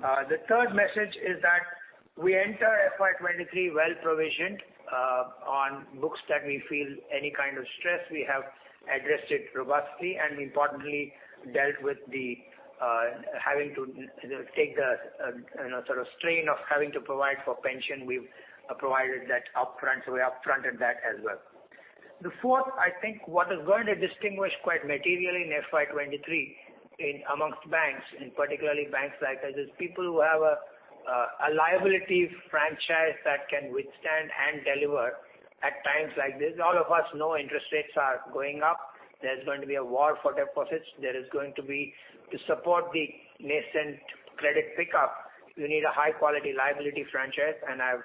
The third message is that we enter FY 2023 well provisioned on books that we feel any kind of stress, we have addressed it robustly and importantly dealt with the having to take the you know sort of strain of having to provide for pension. We've provided that upfront, so we upfronted that as well. The fourth, I think, what is going to distinguish quite materially in FY 2023 among banks, and particularly banks like us, is people who have a liability franchise that can withstand and deliver at times like this. All of us know interest rates are going up. There's going to be a war for deposits. There is going to be. To support the nascent credit pickup, you need a high quality liability franchise, and I've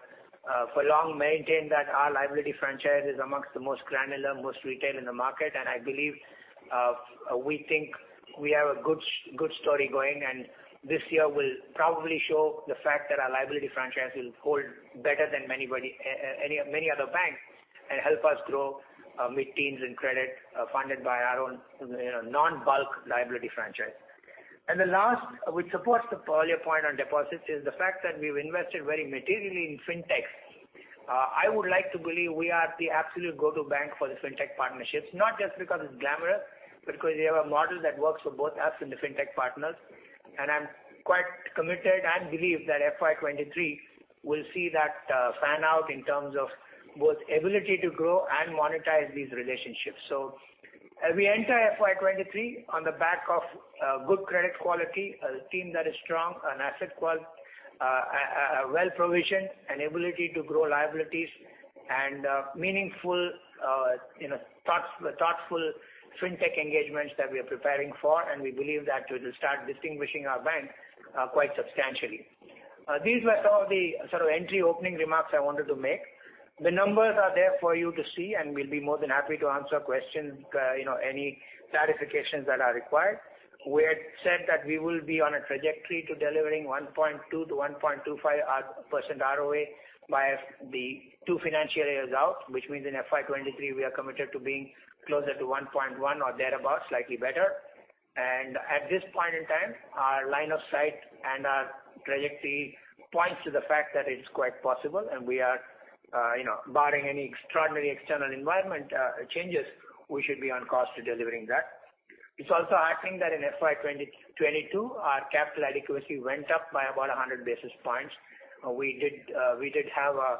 for long maintained that our liability franchise is among the most granular, most retail in the market. I believe we think we have a good story going, and this year will probably show the fact that our liability franchise will hold better than anybody, many other banks and help us grow mid-teens in credit, funded by our own, you know, non-bulk liability franchise. The last, which supports the earlier point on deposits, is the fact that we've invested very materially in fintechs. I would like to believe we are the absolute go-to bank for the fintech partnerships, not just because it's glamorous, but because we have a model that works for both us and the fintech partners. I'm quite committed and believe that FY 2023 will see that fan out in terms of both ability to grow and monetize these relationships. As we enter FY 2023 on the back of good credit quality, a team that is strong on asset quality, well provisioned, an ability to grow liabilities and meaningful, you know, thoughtful fintech engagements that we are preparing for, and we believe that it will start distinguishing our bank quite substantially. These were some of the sort of entry opening remarks I wanted to make. The numbers are there for you to see, and we'll be more than happy to answer questions, you know, any clarifications that are required. We had said that we will be on a trajectory to delivering 1.2-1.25% ROA by the two financial years out, which means in FY 2023, we are committed to being closer to 1.1% or thereabout, slightly better. At this point in time, our line of sight and our trajectory points to the fact that it's quite possible and we are, you know, barring any extraordinary external environment changes, we should be on course to delivering that. It's also, I think, that in FY 2022, our capital adequacy went up by about 100 basis points. We did have a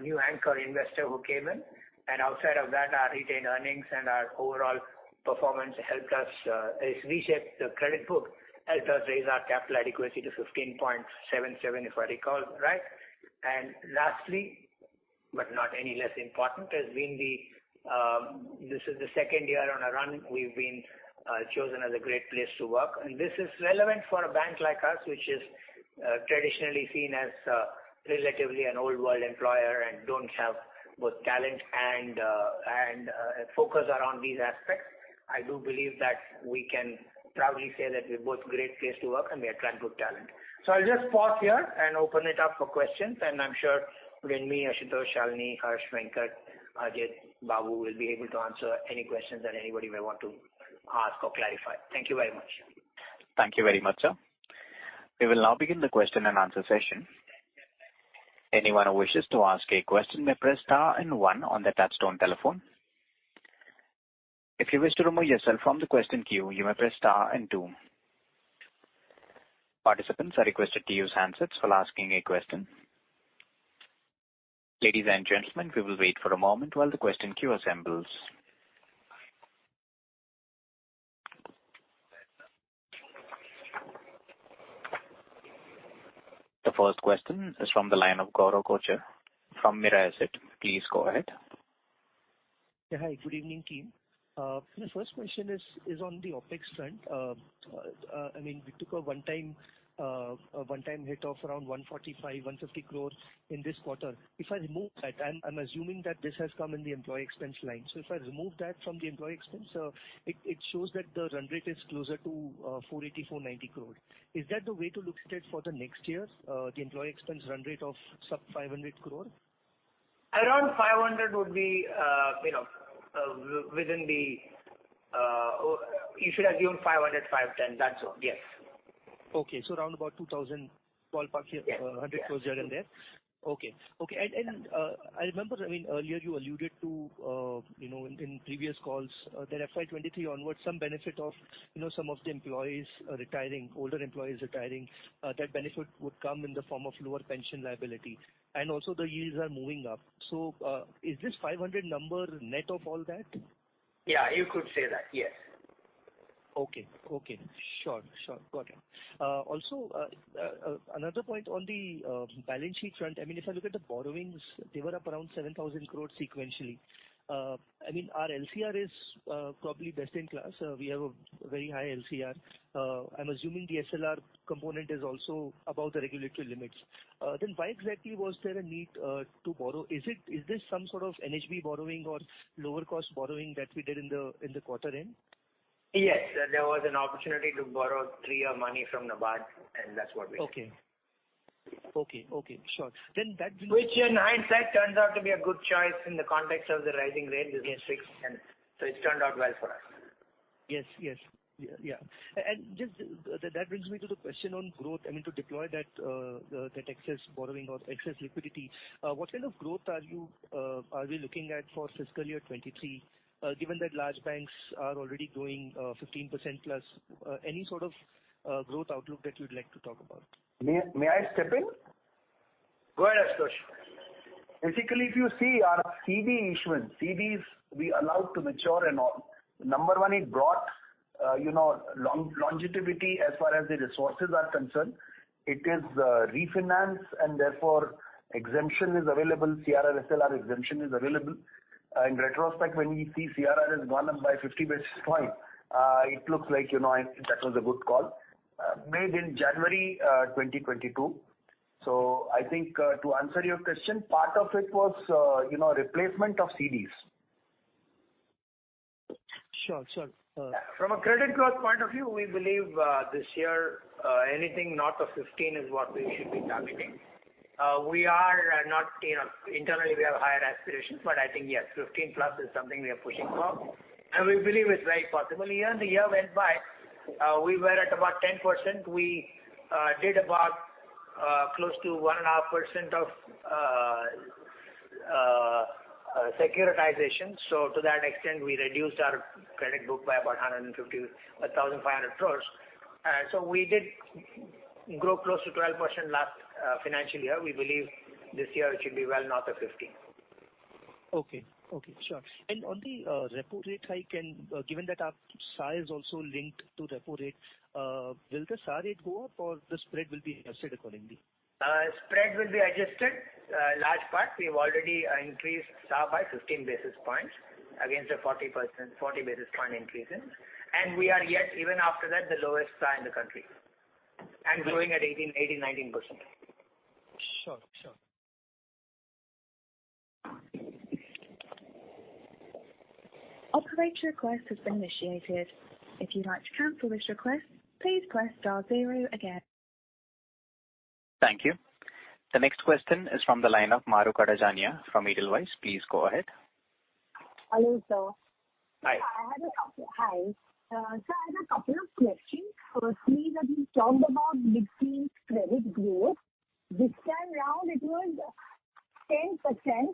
new anchor investor who came in, and outside of that, our retained earnings and our overall performance helped us as we shaped the credit book, helped us raise our capital adequacy to 15.77%, if I recall right. Lastly, but not any less important, has been this is the second year on a run we've been chosen as a Great Place to Work. This is relevant for a bank like us, which is traditionally seen as relatively an old-world employer and don't have both talent and focus around these aspects. I do believe that we can proudly say that we're both Great Place to Work and we attract good talent. I'll just pause here and open it up for questions, and I'm sure Ranmi, Ashutosh, Shalini, Harsh, Venkat, Ajit, Babu will be able to answer any questions that anybody may want to ask or clarify. Thank you very much. Thank you very much, sir. We will now begin the question and answer session. Anyone who wishes to ask a question may press star and one on their touchtone telephone. If you wish to remove yourself from the question queue, you may press star and two. Participants are requested to use handsets while asking a question. Ladies and gentlemen, we will wait for a moment while the question queue assembles. The first question is from the line of Gaurav Kochar from Mirae Asset. Please go ahead. Yeah, hi, good evening, team. My first question is on the OpEx front. I mean, we took a one-time hit of around 145-150 crore in this quarter. If I remove that, I'm assuming that this has come in the employee expense line. If I remove that from the employee expense, it shows that the run rate is closer to 480-490 crore. Is that the way to look at it for the next year? The employee expense run rate of sub 500 crore? Around 500 would be, you know, within the, you should assume 500, 510. That's all. Yes. Around 2012 plus here. Yes. 100 plus here and there. Yes. Okay. I remember, I mean, earlier you alluded to, you know, in previous calls, that FY 2023 onwards, some benefit of, you know, some of the employees retiring, older employees retiring, that benefit would come in the form of lower pension liability, and also the yields are moving up. Is this 500 number net of all that? Yeah, you could say that, yes. Okay, sure. Got it. Also, another point on the balance sheet front. I mean, if I look at the borrowings, they were up around 7,000 crore sequentially. I mean, our LCR is probably best in class. We have a very high LCR. I'm assuming the SLR component is also above the regulatory limits. Then why exactly was there a need to borrow? Is it some sort of NHB borrowing or lower cost borrowing that we did in the quarter end? Yes. There was an opportunity to borrow three-year money from NABARD, and that's what we did. Okay. Sure. Which in hindsight turns out to be a good choice in the context of the rising rate business fixed income. It's turned out well for us. Yes. Yeah. Just that brings me to the question on growth. I mean, to deploy that excess borrowing or excess liquidity, what kind of growth are you, are we looking at for fiscal year 2023, given that large banks are already growing 15%+, any sort of growth outlook that you'd like to talk about? May I step in? Go ahead, Ashutosh. Basically, if you see our CD issuance, CDs we allowed to mature and all. Number one, it brought, you know, longevity as far as the resources are concerned. It is refinance and therefore exemption is available. CRR SLR exemption is available. In retrospect, when we see CRR has gone up by 50 basis points, it looks like, you know, that was a good call made in January 2022. I think, to answer your question, part of it was, you know, replacement of CDs. Sure. From a credit growth point of view, we believe this year anything north of 15% is what we should be targeting. We are not, you know, internally we have higher aspirations, but I think, yes, 15%+ is something we are pushing for, and we believe it's very possible. Year-on-year we grew by about 10%. We did close to 1.5% of securitization. So to that extent, we reduced our credit book by about 150,500 crores. So we did grow close to 12% last financial year. We believe this year it should be well north of 15%. Okay, sure. On the repo rate hike and given that our EBLR is also linked to repo rate, will the EBLR rate go up or the spread will be adjusted accordingly? Spread will be adjusted. Large part we've already increased EBLR by 15 basis points against a 40 basis point increases. We are yet even after that, the lowest EBLR in the country and growing at 18%-19%. Sure. Sure. Operator, your request has been initiated. If you'd like to cancel this request, please press star zero again. Thank you. The next question is from the line of Mahrukh Adajania from Edelweiss. Please go ahead. Hello, sir. Hi. Hi. Sir, I had a couple of questions. Firstly, that you talked about mid-teens credit growth. This time around it was 10%.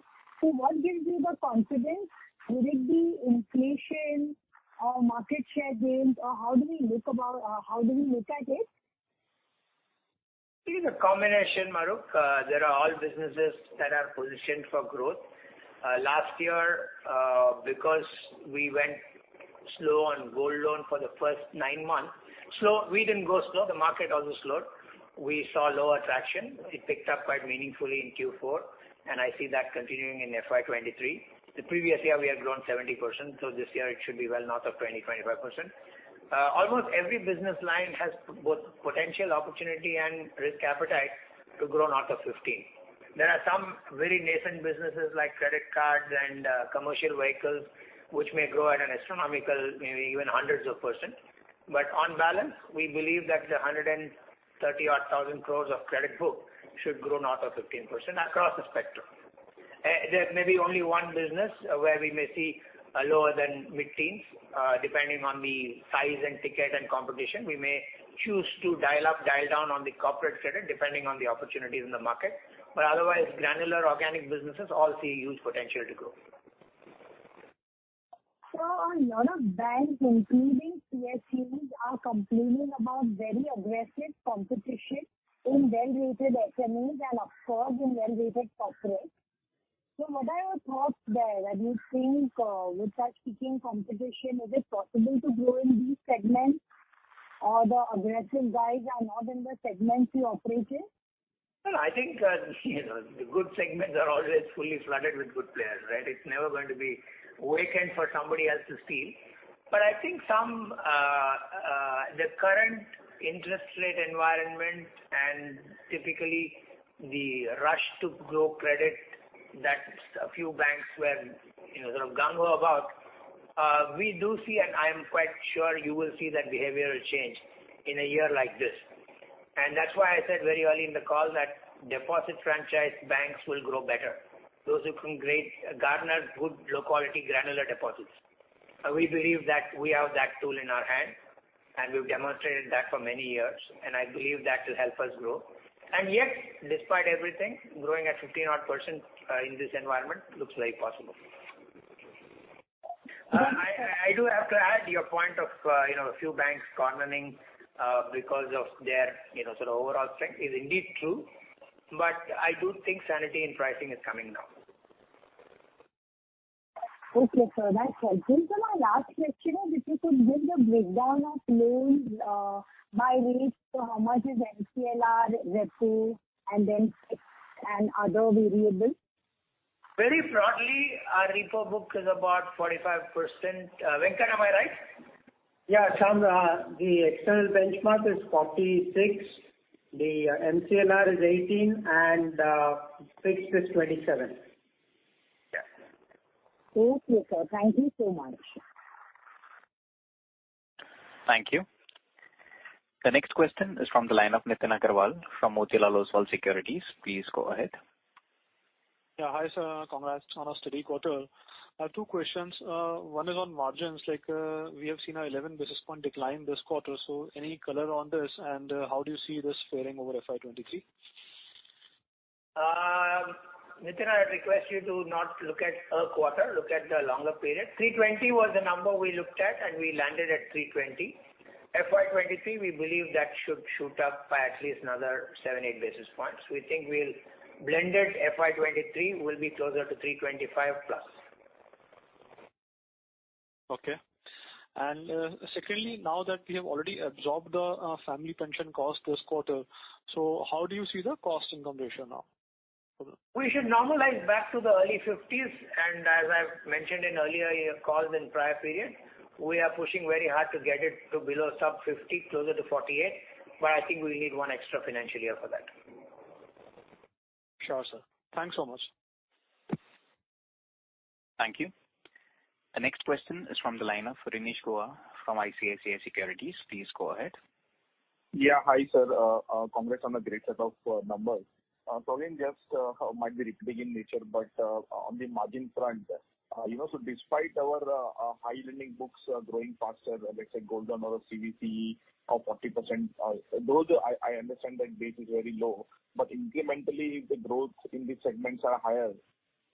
What gives you the confidence? Will it be inflation or market share gains or how do we look at it? It is a combination, Mahrukh. There are all businesses that are positioned for growth. Last year, because we didn't go slow on gold loan for the first nine months, the market also slowed. We saw lower traction. It picked up quite meaningfully in Q4 and I see that continuing in FY 2023. The previous year we had grown 70%, so this year it should be well north of 20-25%. Almost every business line has both potential opportunity and risk appetite to grow north of 15%. There are some very nascent businesses like credit cards and commercial vehicles which may grow at an astronomical, maybe even hundreds of %. On balance, we believe that the 130,000 crore credit book should grow north of 15% across the spectrum. There may be only one business where we may see a lower than mid-teens, depending on the size and ticket and competition. We may choose to dial up, dial down on the corporate credit depending on the opportunity in the market. Otherwise, granular organic businesses all see huge potential to grow. Sir, a lot of banks, including PSBs, are complaining about very aggressive competition in well-rated SMEs and of course in well-rated corporates. What are your thoughts there? Do you think, with such stiff competition, is it possible to grow in these segments or the aggressive guys are not in the segments you operate in? Well, I think, you know, the good segments are always fully flooded with good players, right? It's never going to be vacant for somebody else to steal. I think the current interest rate environment and typically the rush to grow credit that a few banks were, you know, sort of gung ho about, we do see and I am quite sure you will see that behavior will change in a year like this. That's why I said very early in the call that deposit franchise banks will grow better. Those who can garner good, low-cost quality granular deposits. We believe that we have that tool in our hand and we've demonstrated that for many years and I believe that will help us grow. Yet despite everything growing at 15-odd%, in this environment looks very possible. Thank you. I do have to add your point of, you know, a few banks cornering, because of their, you know, sort of overall strength is indeed true. I do think sanity in pricing is coming now. Okay, sir, that's helpful. My last question is if you could give the breakdown of loans by rate to how much is MCLR, repo and then fixed and other variable? Very broadly, our repo book is about 45%. Venkat, am I right? The external benchmark is 46%, the MCLR is 18% and fixed is 27%. Yeah. Okay, sir. Thank you so much. Thank you. The next question is from the line of Nitin Aggarwal from Motilal Oswal Securities. Please go ahead. Yeah. Hi, sir. Congrats on a steady quarter. I have two questions. One is on margins. Like, we have seen an 11 basis points decline this quarter, so any color on this and how do you see this faring over FY 2023? Nitin, I request you to not look at a quarter, look at the longer period. 3.20 was the number we looked at, and we landed at 3.20. FY 2023, we believe that should shoot up by at least another 7-8 basis points. We think blended FY 2023 will be closer to 3.25+. Okay. Secondly, now that we have already absorbed the family pension cost this quarter, so how do you see the cost income ratio now? We should normalize back to the early 50s%, and as I've mentioned in earlier earnings calls in prior period, we are pushing very hard to get it to below sub-50%, closer to 48%, but I think we need one extra financial year for that. Sure, sir. Thanks so much. Thank you. The next question is from the line of Renish Bhuva from ICICI Securities. Please go ahead. Yeah. Hi, sir. Congrats on the great set of numbers. Again, just might be bit big in nature, but on the margin front, you know, despite our high lending books growing faster, let's say, Gold loan or CV up 40%, those, I understand that base is very low. But incrementally, if the growth in these segments are higher,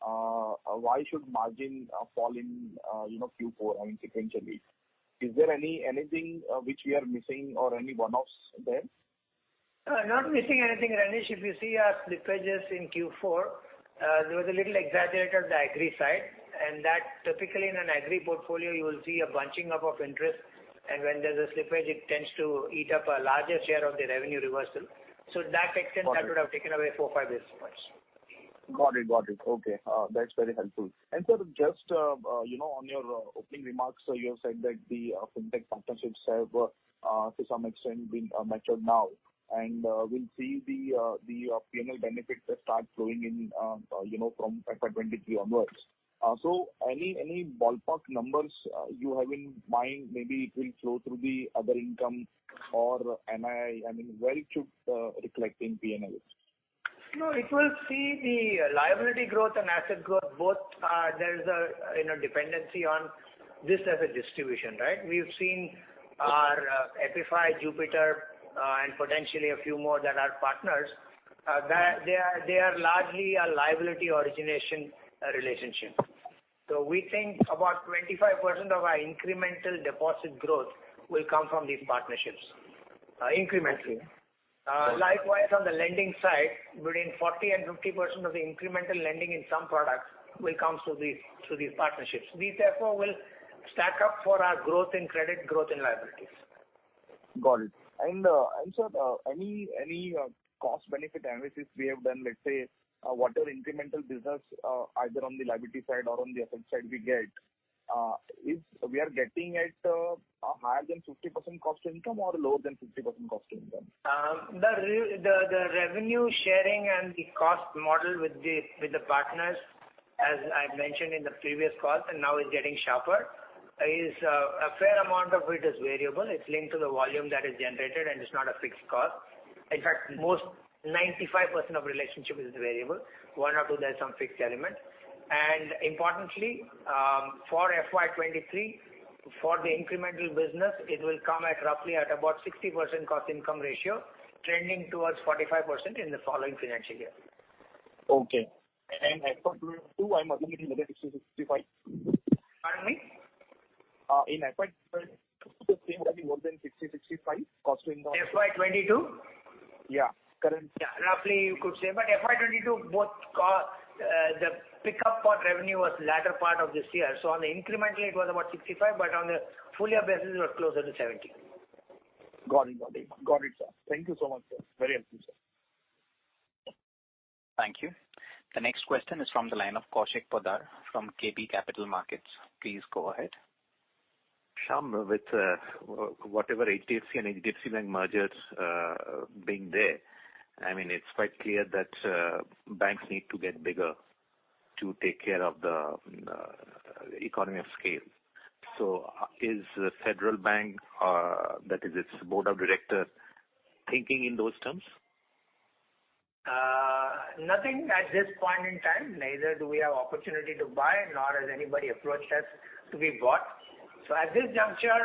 why should margin fall in Q4, I mean, sequentially? Is there anything which we are missing or any one-offs there? Not missing anything, Renish. If you see our slippages in Q4, there was a little exaggeration on the agri side, and that typically in an agri portfolio you will see a bunching up of interest, and when there's a slippage it tends to eat up a larger share of the revenue reversal. To that extent. Got it. That would have taken away 4, 5 basis points. Got it. Okay. That's very helpful. Sir, just, you know, on your opening remarks, you have said that the fintech partnerships have to some extent been matured now and we'll see the P&L benefits start flowing in, you know, from FY 2023 onwards. Any ballpark numbers you have in mind? Maybe it will flow through the other income or NIM. I mean, where it should reflect in P&L? No, it will see the liability growth and asset growth both. There is a, you know, dependency on this as a distribution, right? We've seen our epiFi, Jupiter, and potentially a few more that are partners, they are largely a liability origination relationship. We think about 25% of our incremental deposit growth will come from these partnerships, incrementally. Got it. Likewise, on the lending side, between 40% and 50% of the incremental lending in some products will come through these partnerships. These therefore will stack up for our growth in credit, growth in liabilities. Got it. Sir, any cost benefit analysis we have done, let's say, whatever incremental business either on the liability side or on the asset side we get, is we are getting it higher than 50% cost to income or lower than 50% cost to income? The revenue sharing and the cost model with the partners, as I've mentioned in the previous calls and now is getting sharper, is a fair amount of it is variable. It's linked to the volume that is generated and it's not a fixed cost. In fact, most 95% of relationship is variable. One or two, there's some fixed element. Importantly, for FY 2023, for the incremental business, it will come at roughly at about 60% cost income ratio, trending towards 45% in the following financial year. Okay. FY 2022, I'm assuming it was 60-65. Pardon me? In FY 2022, the same value more than 65% cost to income. FY 2022? Yeah. Roughly you could say. FY 2022, the pickup for revenue was latter part of this year. On the incremental it was about 65%, but on the full year basis it was closer to 70%. Got it, sir. Thank you so much, sir. Very helpful, sir. Thank you. The next question is from the line of Kaushik Poddar from KB Capital Markets. Please go ahead. Shyam, with whatever HDFC and HDFC Bank mergers being there, I mean, it's quite clear that banks need to get bigger to take care of the economies of scale. Is Federal Bank, that is its board of directors thinking in those terms? Nothing at this point in time. Neither do we have opportunity to buy, nor has anybody approached us to be bought. At this juncture,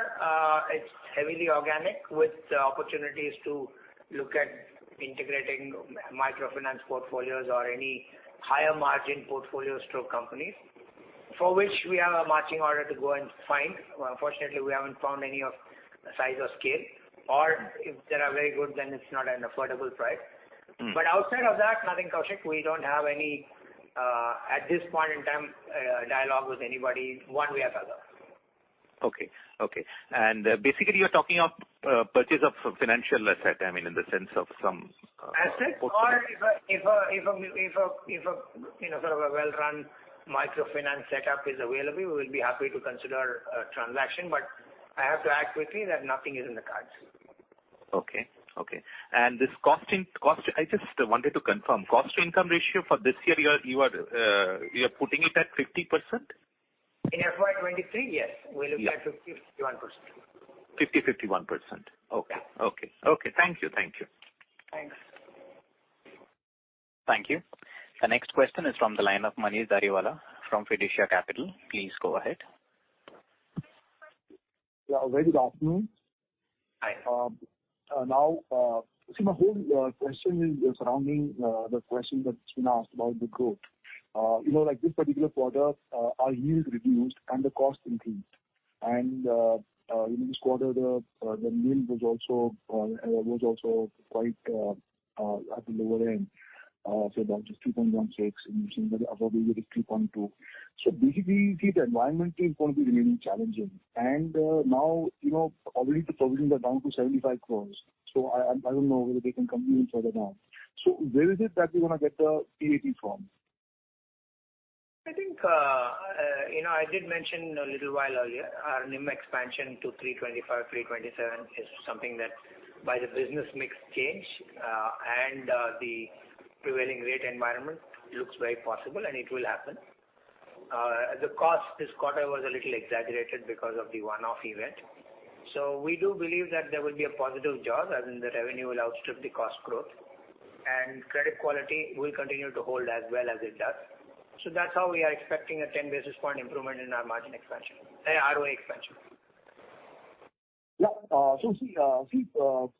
it's heavily organic with opportunities to look at integrating microfinance portfolios or any higher margin portfolios to our companies, for which we have a marching order to go and find. Unfortunately, we haven't found any of size or scale, or if they are very good, then it's not an affordable price. Mm. Outside of that, nothing, Kaushik. We don't have any, at this point in time, dialogue with anybody one way or the other. Okay. Basically, you're talking of purchase of financial asset, I mean, in the sense of some, if a, you know, sort of a well-run microfinance setup is available, we will be happy to consider a transaction. I have to add quickly that nothing is in the cards. Okay. This cost—I just wanted to confirm. Cost to income ratio for this year, you are putting it at 50%? In FY 2023? Yes. Yeah. We look at 50%-51%. 50%-51%. Yeah. Okay. Thank you. Thanks. Thank you. The next question is from the line of Manish Dhariwal from Fiducia Capital. Please go ahead. Yeah. Very good afternoon. Hi. Now, see, my whole question is surrounding the question that's been asked about the growth. You know, like this particular quarter, our yield reduced and the cost increased. In this quarter the NIM was also quite at the lower end, so about just 2.16% and you're saying that affordability is 2.2%. Basically, we see the environment is gonna be remaining challenging. Now, you know, already the provisions are down to 75 crore. I don't know whether they can come even further down. Where is it that we're gonna get the PAT from? I think, you know, I did mention a little while earlier, our NIM expansion to 3.25-3.27 is something that by the business mix change, and the prevailing rate environment looks very possible and it will happen. The cost this quarter was a little exaggerated because of the one-off event. We do believe that there will be a positive job, as in the revenue will outstrip the cost growth. Credit quality will continue to hold as well as it does. That's how we are expecting a 10 basis point improvement in our margin expansion, ROE expansion. So, see,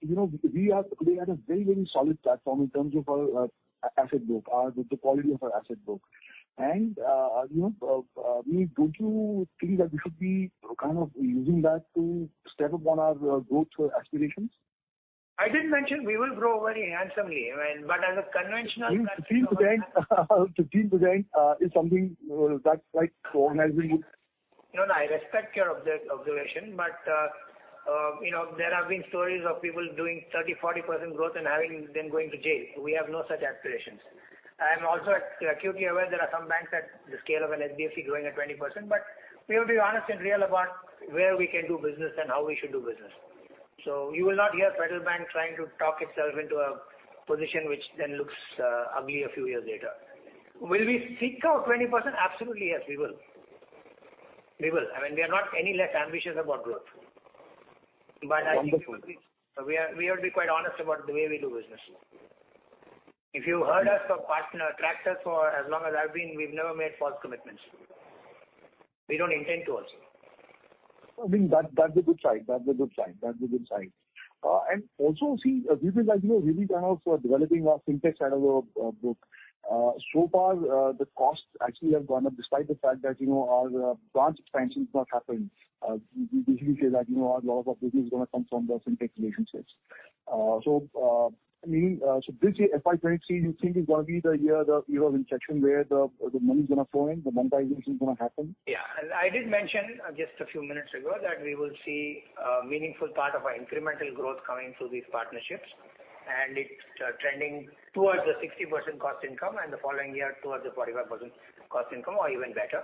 you know, we are at a very, very solid platform in terms of our asset book, the quality of our asset book. You know, don't you think that we should be kind of using that to step up on our growth aspirations? I did mention we will grow very handsomely. As a conventional 15% is something that's like organizing it. No, no, I respect your observation. You know, there have been stories of people doing 30%, 40% growth and having them going to jail. We have no such aspirations. I'm also acutely aware there are some banks at the scale of an HDFC growing at 20%, but we will be honest and real about where we can do business and how we should do business. You will not hear Federal Bank trying to talk itself into a position which then looks ugly a few years later. Will we seek out 20%? Absolutely, yes, we will. I mean, we are not any less ambitious about growth. I think. Wonderful. We ought to be quite honest about the way we do business. If you heard us, our partners tracked us for as long as I've been, we've never made false commitments. We don't intend to also. I mean, that's a good sign. And also see, this is like, you know, we've been also developing our FinTech side of our book. So far, the costs actually have gone up despite the fact that, you know, our branch expansion has not happened. We usually say that, you know, a lot of our business is gonna come from the FinTech relationships. I mean, so this year, FY 2023, you think is gonna be the year of inception where the money is gonna flow in, the monetization is gonna happen? Yeah. I did mention just a few minutes ago that we will see a meaningful part of our incremental growth coming through these partnerships, and it's trending towards the 60% cost income and the following year towards the 45% cost income or even better.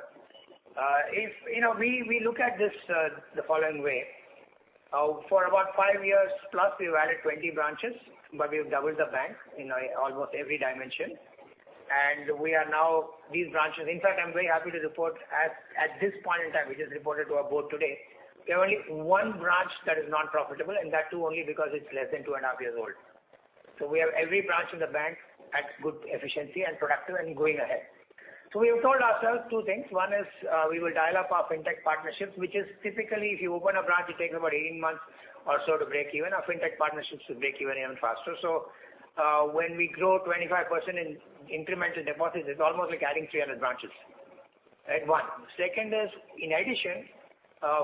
If you know, we look at this the following way. For about 5 years plus, we've added 20 branches, but we've doubled the bank in almost every dimension. We are now these branches. In fact, I'm very happy to report at this point in time, we just reported to our board today, we have only one branch that is non-profitable, and that too only because it's less than 2.5 years old. We have every branch in the bank at good efficiency and productive and going ahead. We have told ourselves two things. One is, we will dial up our FinTech partnerships, which is typically if you open a branch, it takes about 18 months or so to break even. Our FinTech partnerships will break even even faster. When we grow 25% in incremental deposits, it's almost like adding 300 branches. Right. One. Second is in addition,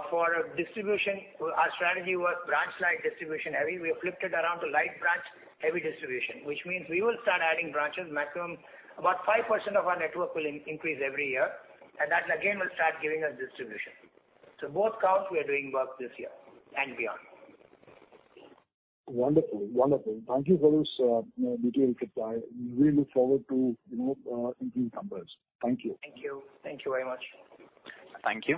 for distribution, our strategy was branch-like distribution heavy. We have flipped it around to light branch, heavy distribution, which means we will start adding branches maximum. About 5% of our network will increase every year, and that again will start giving us distribution. Both counts, we are doing work this year and beyond. Wonderful. Thank you for this, you know, detailed reply. We look forward to, you know, improved numbers. Thank you. Thank you. Thank you very much. Thank you.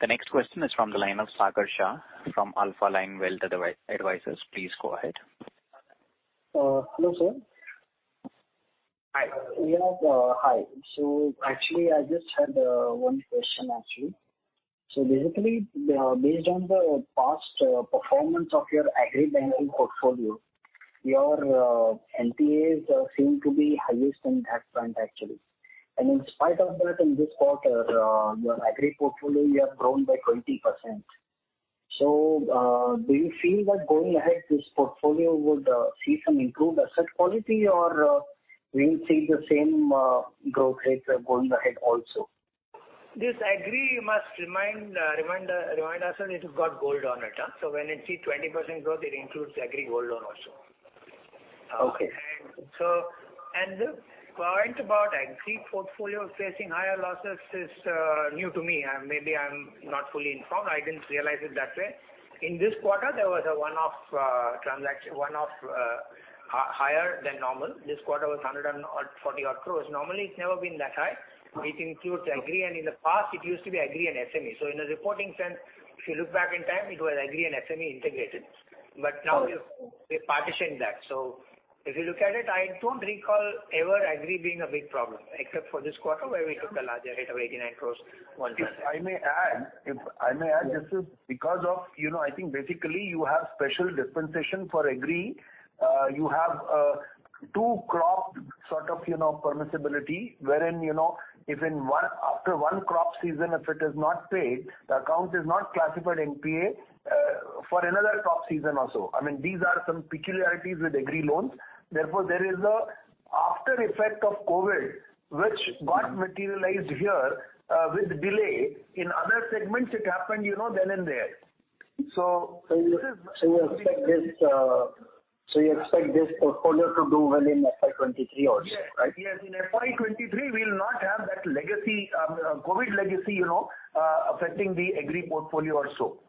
The next question is from the line of Sagar Shah from Alphaline Wealth Advisors. Please go ahead. Hello, sir. Hi. Yeah. Hi. Actually, I just had one question ask you. Actually, based on the past performance of your agri banking portfolio, your NPAs seem to be highest in that front, actually. In spite of that, in this quarter, your agri portfolio you have grown by 20%. Do you feel that going ahead, this portfolio would see some improved asset quality or we will see the same growth rate going ahead also? This must remind us that it has got gold on it, so when you see 20% growth, it includes agri gold loan also. Okay. The point about agri portfolio facing higher losses is new to me. Maybe I'm not fully informed. I didn't realize it that way. In this quarter, there was a one-off transaction higher than normal. This quarter was 140-odd crores. Normally, it's never been that high. Okay. It includes agri, and in the past, it used to be agri and SME. In a reporting sense, if you look back in time, it was agri and SME integrated. But now we. Okay. We partitioned that. If you look at it, I don't recall ever Agri being a big problem except for this quarter where we took a larger hit of 89 crore one-time. If I may add, this is because of, you know, I think basically you have special dispensation for Agri. You have two crop sort of, you know, permissibility wherein, you know, after one crop season if it is not paid, the account is not classified NPA for another crop season also. I mean, these are some peculiarities with Agri loans. Therefore, there is an aftereffect of COVID, which got materialized here with delay. In other segments, it happened, you know, then and there. This is You expect this portfolio to do well in FY 23 also, right? Yes. Yes. In FY 2023 we'll not have that legacy, COVID legacy, you know, affecting the Agri portfolio also.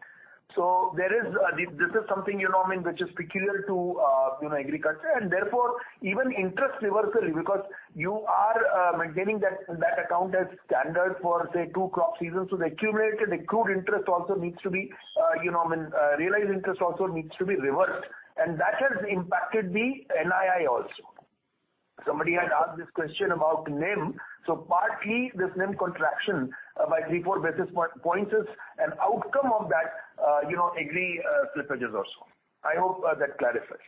There is, this is something, you know, I mean, which is peculiar to, you know, agriculture and therefore even interest reversal because you are, maintaining that account as standard for say two crop seasons. The accumulated accrued interest also needs to be, you know, I mean, realized interest also needs to be reversed and that has impacted the NII also. Somebody had asked this question about NIM. Partly this NIM contraction by 3-4 basis points is an outcome of that, you know, Agri, slippages also. I hope that clarifies.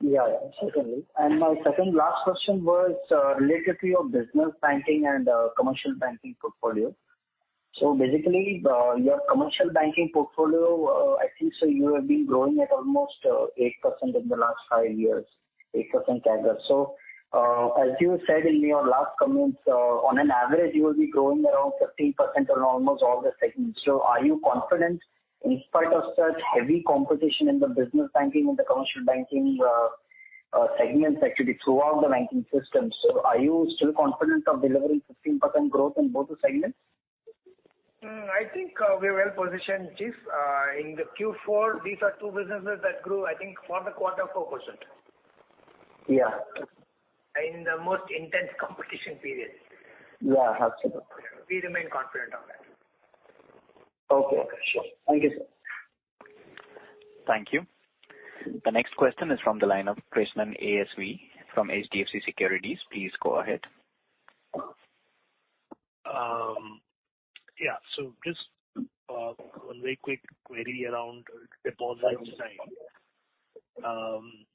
Yeah. Certainly. My second last question was related to your business banking and commercial banking portfolio. Basically the your commercial banking portfolio I think so you have been growing at almost eight percent in the last five years, 8% CAGR. As you said in your last comments on an average you will be growing around 15% on almost all the segments. Are you confident in spite of such heavy competition in the business banking and the commercial banking segments actually throughout the banking system? Are you still confident of delivering 15% growth in both the segments? I think we're well positioned, Sagar. In Q4 these are two businesses that grew, I think, for the quarter 4%. Yeah. In the most intense competition period. Yeah. Absolutely. We remain confident on that. Okay. Sure. Thank you, sir. Thank you. The next question is from the line of Krishnan ASV from HDFC Securities. Please go ahead. Just one very quick query around deposit side.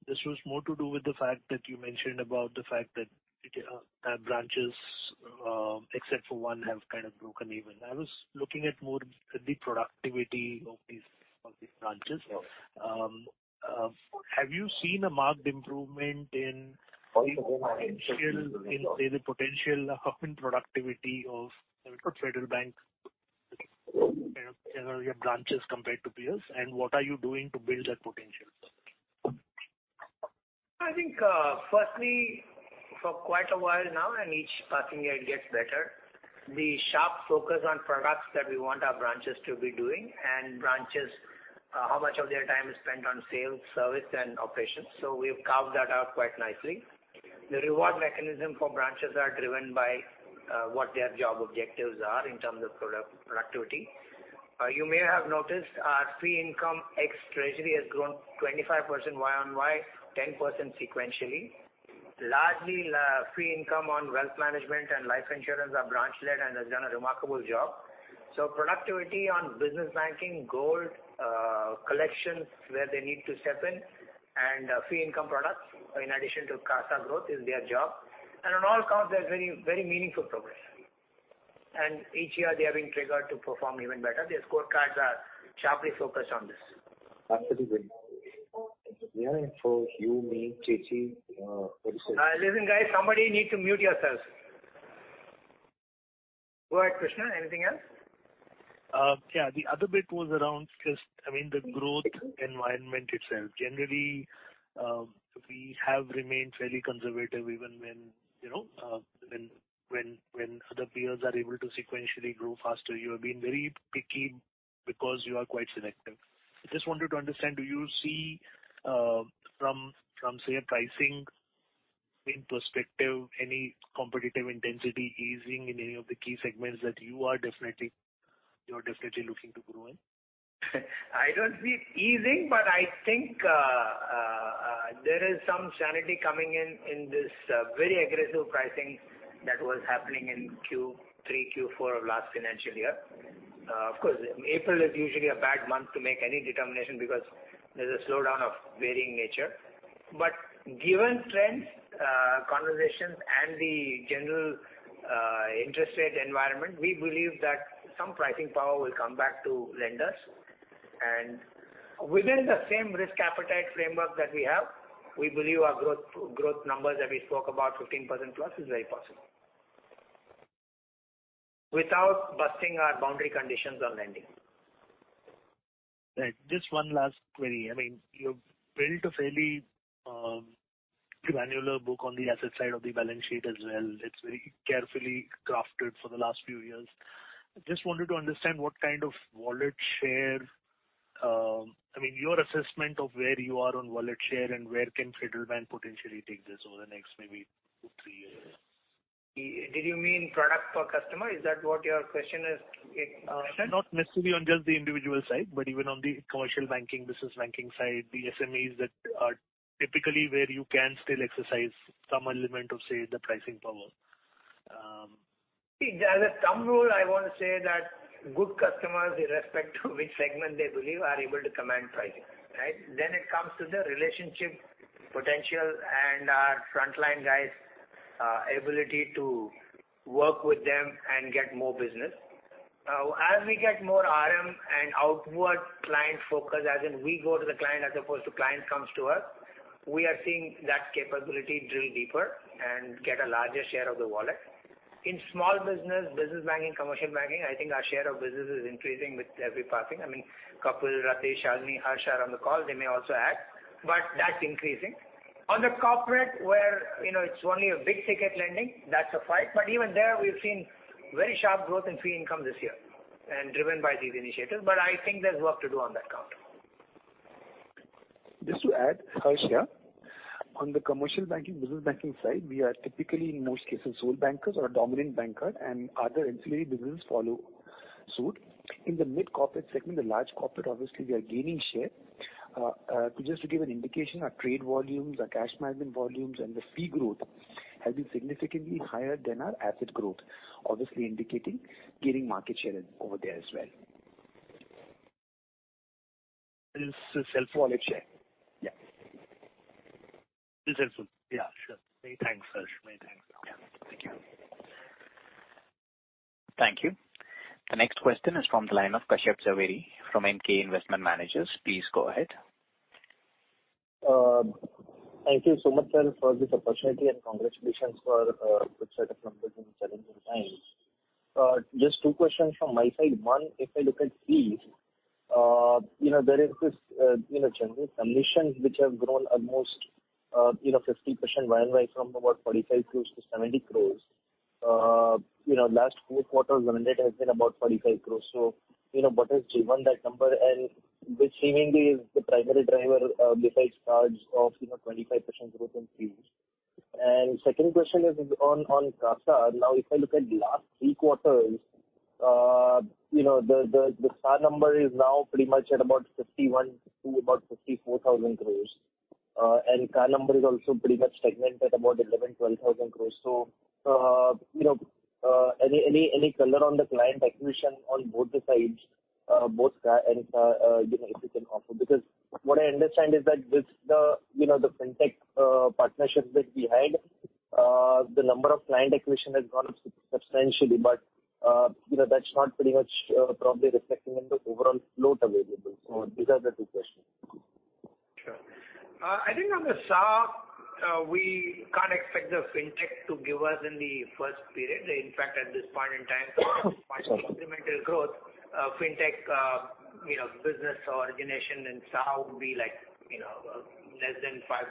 This was more to do with the fact that you mentioned about the fact that branches, except for one, have kind of broken even. I was looking at more the productivity of these branches. Have you seen a marked improvement in say the potential upfront productivity of, say, for Federal Bank, kind of your branches compared to peers, and what are you doing to build that potential? I think, firstly, for quite a while now and each passing year it gets better, the sharp focus on products that we want our branches to be doing and branches, how much of their time is spent on sales, service and operations. We've carved that out quite nicely. The reward mechanism for branches are driven by, what their job objectives are in terms of product productivity. You may have noticed our fee income ex-treasury has grown 25% year-on-year, 10% sequentially. Largely, fee income on wealth management and life insurance are branch led and has done a remarkable job. Productivity on business banking, gold, collections where they need to step in and fee income products in addition to CASA growth is their job. On all counts there's very, very meaningful progress. Each year they are being triggered to perform even better. Their scorecards are sharply focused on this. Absolutely. Listen guys, somebody need to mute yourselves. Go ahead, Krishna. Anything else? Yeah. The other bit was around just, I mean, the growth environment itself. Generally, we have remained fairly conservative even when, you know, when other peers are able to sequentially grow faster. You have been very picky because you are quite selective. I just wanted to understand, do you see, from, say, a pricing perspective, any competitive intensity easing in any of the key segments that you are definitely looking to grow in? I don't see easing, but I think there is some sanity coming in this very aggressive pricing that was happening in Q3, Q4 of last financial year. Of course, April is usually a bad month to make any determination because there's a slowdown of varying nature. Given trends, conversations and the general interest rate environment, we believe that some pricing power will come back to lenders. Within the same risk appetite framework that we have, we believe our growth numbers that we spoke about 15%+ is very possible. Without busting our boundary conditions on lending. Right. Just one last query. I mean, you've built a fairly granular book on the asset side of the balance sheet as well. It's very carefully crafted for the last few years. I just wanted to understand what kind of wallet share, I mean, your assessment of where you are on wallet share and where can Federal Bank potentially take this over the next maybe two, three years? Did you mean product per customer? Is that what your question is? Not necessarily on just the individual side, but even on the commercial banking, business banking side, the SMEs that are typically where you can still exercise some element of, say, the pricing power. See, as a thumb rule, I want to say that good customers, irrespective of which segment they believe, are able to command pricing, right? Then it comes to the relationship potential and our frontline guys' ability to work with them and get more business. Now, as we get more RM and outward client focus, as in we go to the client as opposed to client comes to us, we are seeing that capability drill deeper and get a larger share of the wallet. In small business banking, commercial banking, I think our share of business is increasing with every passing. I mean, Kapil, Rakesh, Shalini, Harsh are on the call, they may also add, but that's increasing. On the corporate where, you know, it's only a big-ticket lending, that's a fight. Even there, we've seen very sharp growth in fee income this year and driven by these initiatives. I think there's work to do on that count. Just to add, Harsh here. On the commercial banking, business banking side, we are typically in most cases sole bankers or dominant banker and other ancillary business follow suit. In the mid-corporate segment, the large corporate, obviously we are gaining share. Just to give an indication, our trade volumes, our cash management volumes, and the fee growth has been significantly higher than our asset growth, obviously indicating gaining market share over there as well. This is self-wallet share. Yeah. It's helpful. Yeah, sure. Many thanks, Harsh. Many thanks. Yeah. Thank you. Thank you. The next question is from the line of Kashyap Javeri from Emkay Investment Managers. Please go ahead. Thank you so much, sir, for this opportunity, and congratulations for good set of numbers in challenging times. Just two questions from my side. One, if I look at fees, you know, there is this, you know, general commissions which have grown almost, you know, 50% run rate from about 45 crore to 70 crore. You know, last four quarters run rate has been about 45 crore. You know, what has driven that number? And which seemingly is the primary driver besides cards of, you know, 25% growth in fees. Second question is on CASA. Now, if I look at last three quarters, you know, the CASA is now pretty much at about 51,000-54,000 crore. And CASA is also pretty much stagnant at about 11-12 thousand crore. You know, any color on the client acquisition on both sides, both card and, you know, if you can offer. Because what I understand is that with the, you know, the fintech partnerships that we had, the number of client acquisition has gone substantially. You know, that's not pretty much probably reflecting in the overall float available. These are the two questions. Sure. I think on the CASA, we can't expect the fintech to give us much in the first period. In fact, at this point in time, incremental growth from fintech business origination and CASA would be like, you know, less than 5%,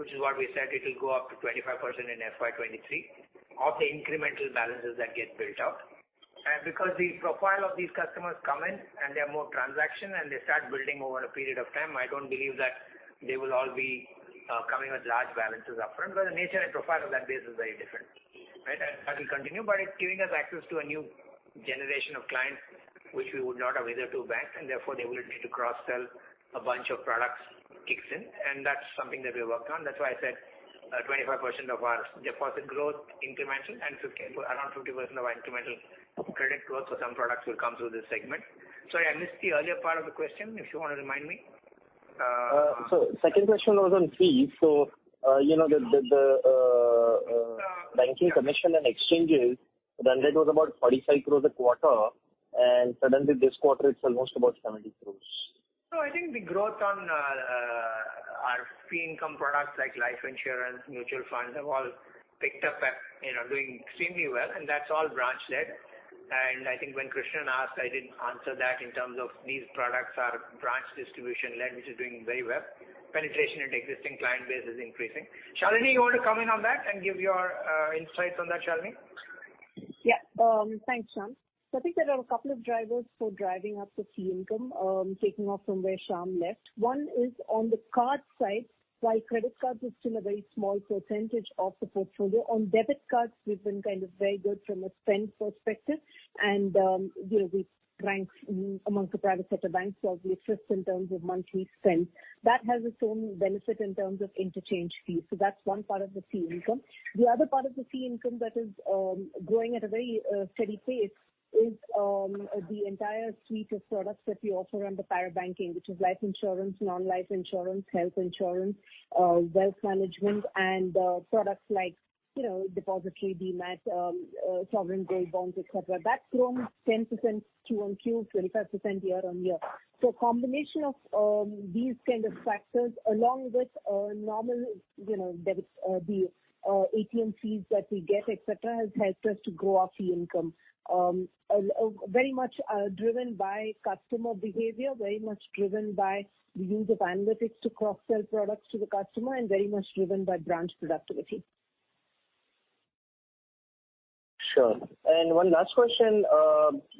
which is what we said it will go up to 25% in FY 2023 of the incremental balances that get built out. Because the profile of these customers come in and they are more transactional and they start building over a period of time, I don't believe that they will all be coming with large balances up front because the nature and profile of that base is very different, right? That will continue, but it's giving us access to a new generation of clients which we would not have otherwise to bank, and therefore the ability to cross-sell a bunch of products kicks in, and that's something that we worked on. That's why I said 25% of our deposit growth incremental and 50, around 50% of our incremental credit growth for some products will come through this segment. Sorry, I missed the earlier part of the question, if you wanna remind me. Second question was on fees. You know, the banking commission and exchanges run rate was about 45 crores a quarter, and suddenly this quarter it's almost about 70 crores. I think the growth on our fee income products like life insurance, mutual funds have all picked up and, you know, doing extremely well, and that's all branch led. I think when Krishnan asked, I didn't answer that in terms of these products are branch distribution led, which is doing very well. Penetration into existing client base is increasing. Shalini, you want to come in on that and give your insights on that, Shalini? Thanks, Sham. I think there are a couple of drivers for driving up the fee income, taking off from where Sham left. One is on the card side. While credit cards is still a very small percentage of the portfolio, on debit cards we've been kind of very good from a spend perspective. You know, we rank amongst the private sector banks, so we are first in terms of monthly spend. That has its own benefit in terms of interchange fees. That's one part of the fee income. The other part of the fee income that is growing at a very steady pace is the entire suite of products that we offer under para-banking, which is life insurance, non-life insurance, health insurance, wealth management and products like, you know, depository, Demat, sovereign gold bonds, et cetera. That's grown 10% Q-on-Q, 25% year-on-year. Combination of these kind of factors along with normal, you know, debit, the ATM fees that we get, et cetera, has helped us to grow our fee income. Very much driven by customer behavior, very much driven by the use of analytics to cross-sell products to the customer, and very much driven by branch productivity. Sure. One last question.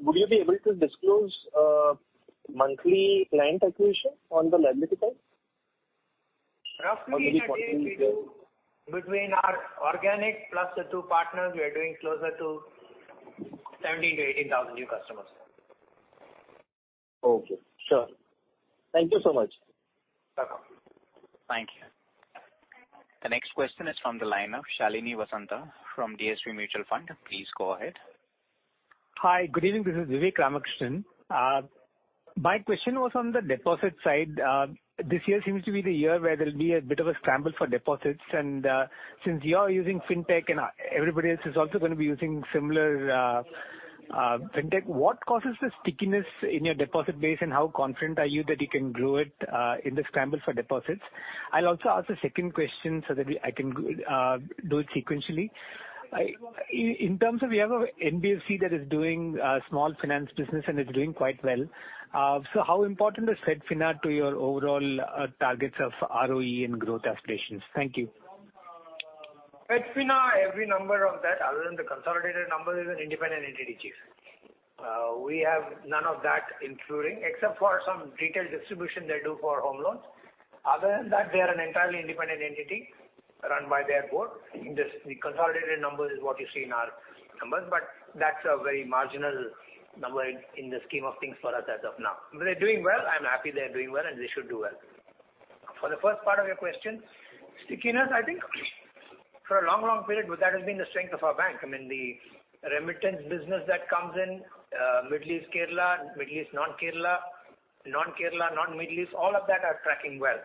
Will you be able to disclose monthly client acquisition on the liability side? Roughly a day we do between our organic plus the two partners, we are doing closer to 17,000-18,000 new customers. Okay, sure. Thank you so much. Welcome. Thank you. The next question is from the line of Shalini Vasanta from DSP Mutual Fund. Please go ahead. Hi. Good evening. This is Vivek Ramakrishnan. My question was on the deposit side. This year seems to be the year where there'll be a bit of a scramble for deposits. Since you are using Fintech and everybody else is also gonna be using similar Fintech, what causes the stickiness in your deposit base, and how confident are you that you can grow it in the scramble for deposits? I'll also ask a second question so that I can do it sequentially. In terms of you have a NBFC that is doing small finance business and is doing quite well. So how important is FedFina to your overall targets of ROE and growth aspirations? Thank you. From FedFina, every number of that other than the consolidated number is an independent entity, chief. We have none of that including, except for some retail distribution they do for home loans. Other than that, they are an entirely independent entity run by their board. Just the consolidated number is what you see in our numbers, but that's a very marginal number in the scheme of things for us as of now. If they're doing well, I'm happy they're doing well and they should do well. For the first part of your question, stickiness, I think for a long, long period that has been the strength of our bank. I mean, the remittance business that comes in, Middle East Kerala, Middle East non-Kerala, non-Kerala, non-Middle East, all of that are tracking well.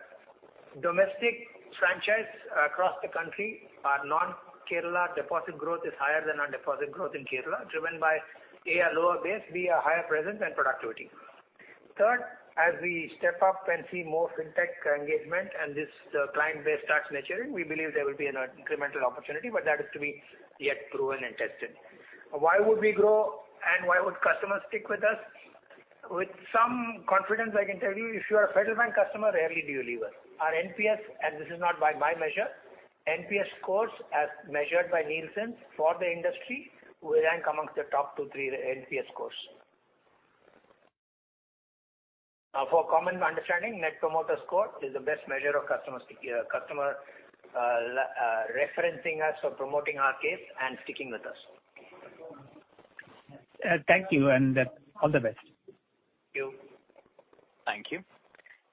Domestic franchise across the country are non-Kerala. Deposit growth is higher than our deposit growth in Kerala, driven by, A, a lower base, B, a higher presence and productivity. Third, as we step up and see more Fintech engagement and this client base starts maturing, we believe there will be an incremental opportunity, but that is to be yet proven and tested. Why would we grow and why would customers stick with us? With some confidence, I can tell you, if you are a Federal Bank customer, rarely do you leave us. Our NPS, and this is not by my measure, NPS scores as measured by Nielsen for the industry, we rank amongst the top two, three NPS scores. For common understanding, Net Promoter Score is the best measure of customer referencing us or promoting our case and sticking with us. Thank you and all the best. Thank you. Thank you.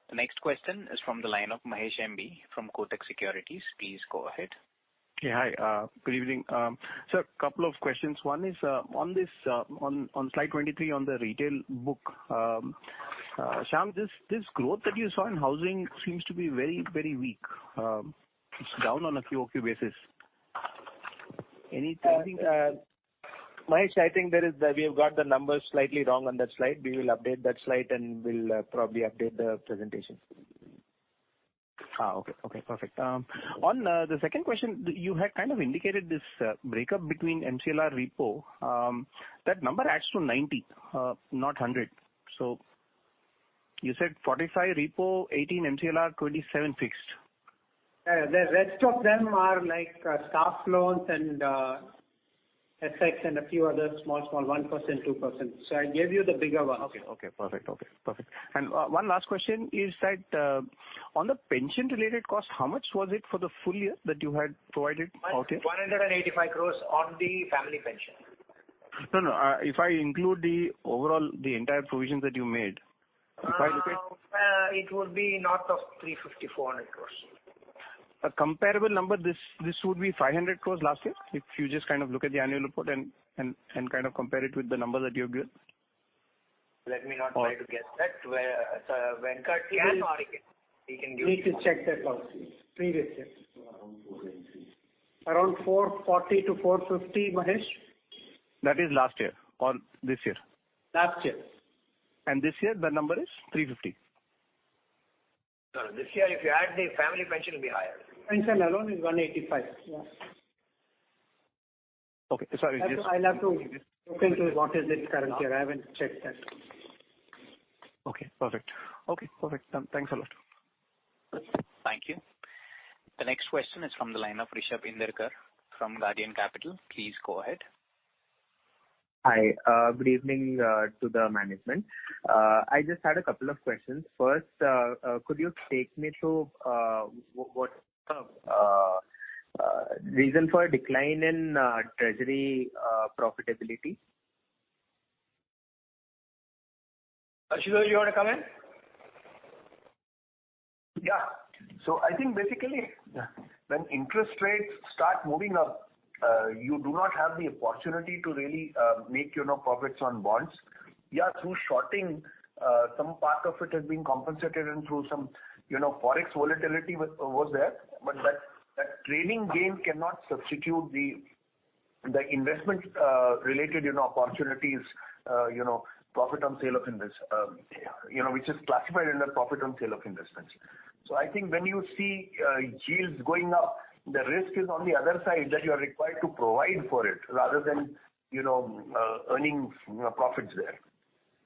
The next question is from the line of M. B. Mahesh from Kotak Securities. Please go ahead. Yeah. Hi. Good evening. A couple of questions. One is on slide 23 on the retail book. Shyam, this growth that you saw in housing seems to be very, very weak. It's down on a QOQ basis. Any- Mahesh, I think there is the, we have got the numbers slightly wrong on that slide. We will update that slide and we'll probably update the presentation. On the second question, you had kind of indicated this breakup between MCLR repo. That number adds to 90, not 100. You said 45% repo, 18% MCLR, 27% fixed. The rest of them are like staff loans and FX and a few other small, 1%, 2%. I gave you the bigger ones. Okay, perfect. One last question is that on the pension related cost, how much was it for the full year that you had provided? Okay. 185 crore on the family pension. No, no. If I include the overall, the entire provisions that you made, if I look at- It would be north of 350-400 crores. A comparable number, this would be 500 crore last year, if you just kind of look at the annual report and kind of compare it with the number that you have given. Let me not try to guess that. Where Venkat can or he can give you. You need to check that also. Previous year. Around 490. Around 4:40-4:50, M. B. Mahesh. That is last year or this year? Last year. This year the number is 350. No. This year, if you add the family pension will be higher. Pension alone is 185. Yeah. Okay. Sorry. I'll have to look into what it is currently. I haven't checked that. Okay, perfect. Thanks a lot. Thank you. The next question is from the line of Rushab Inderkar from Guardian Capital. Please go ahead. Hi. Good evening to the management. I just had a couple of questions. First, could you take me through what reason for a decline in treasury profitability? Ashutosh, you wanna come in? I think basically when interest rates start moving up, you do not have the opportunity to really make, you know, profits on bonds. Through shorting, some part of it has been compensated and through some, you know, Forex volatility was there. But that trading gain cannot substitute the investment related, you know, opportunities, you know, profit on sale of investments, which is classified under profit on sale of investments. I think when you see yields going up, the risk is on the other side that you are required to provide for it rather than, you know, earning, you know, profits there.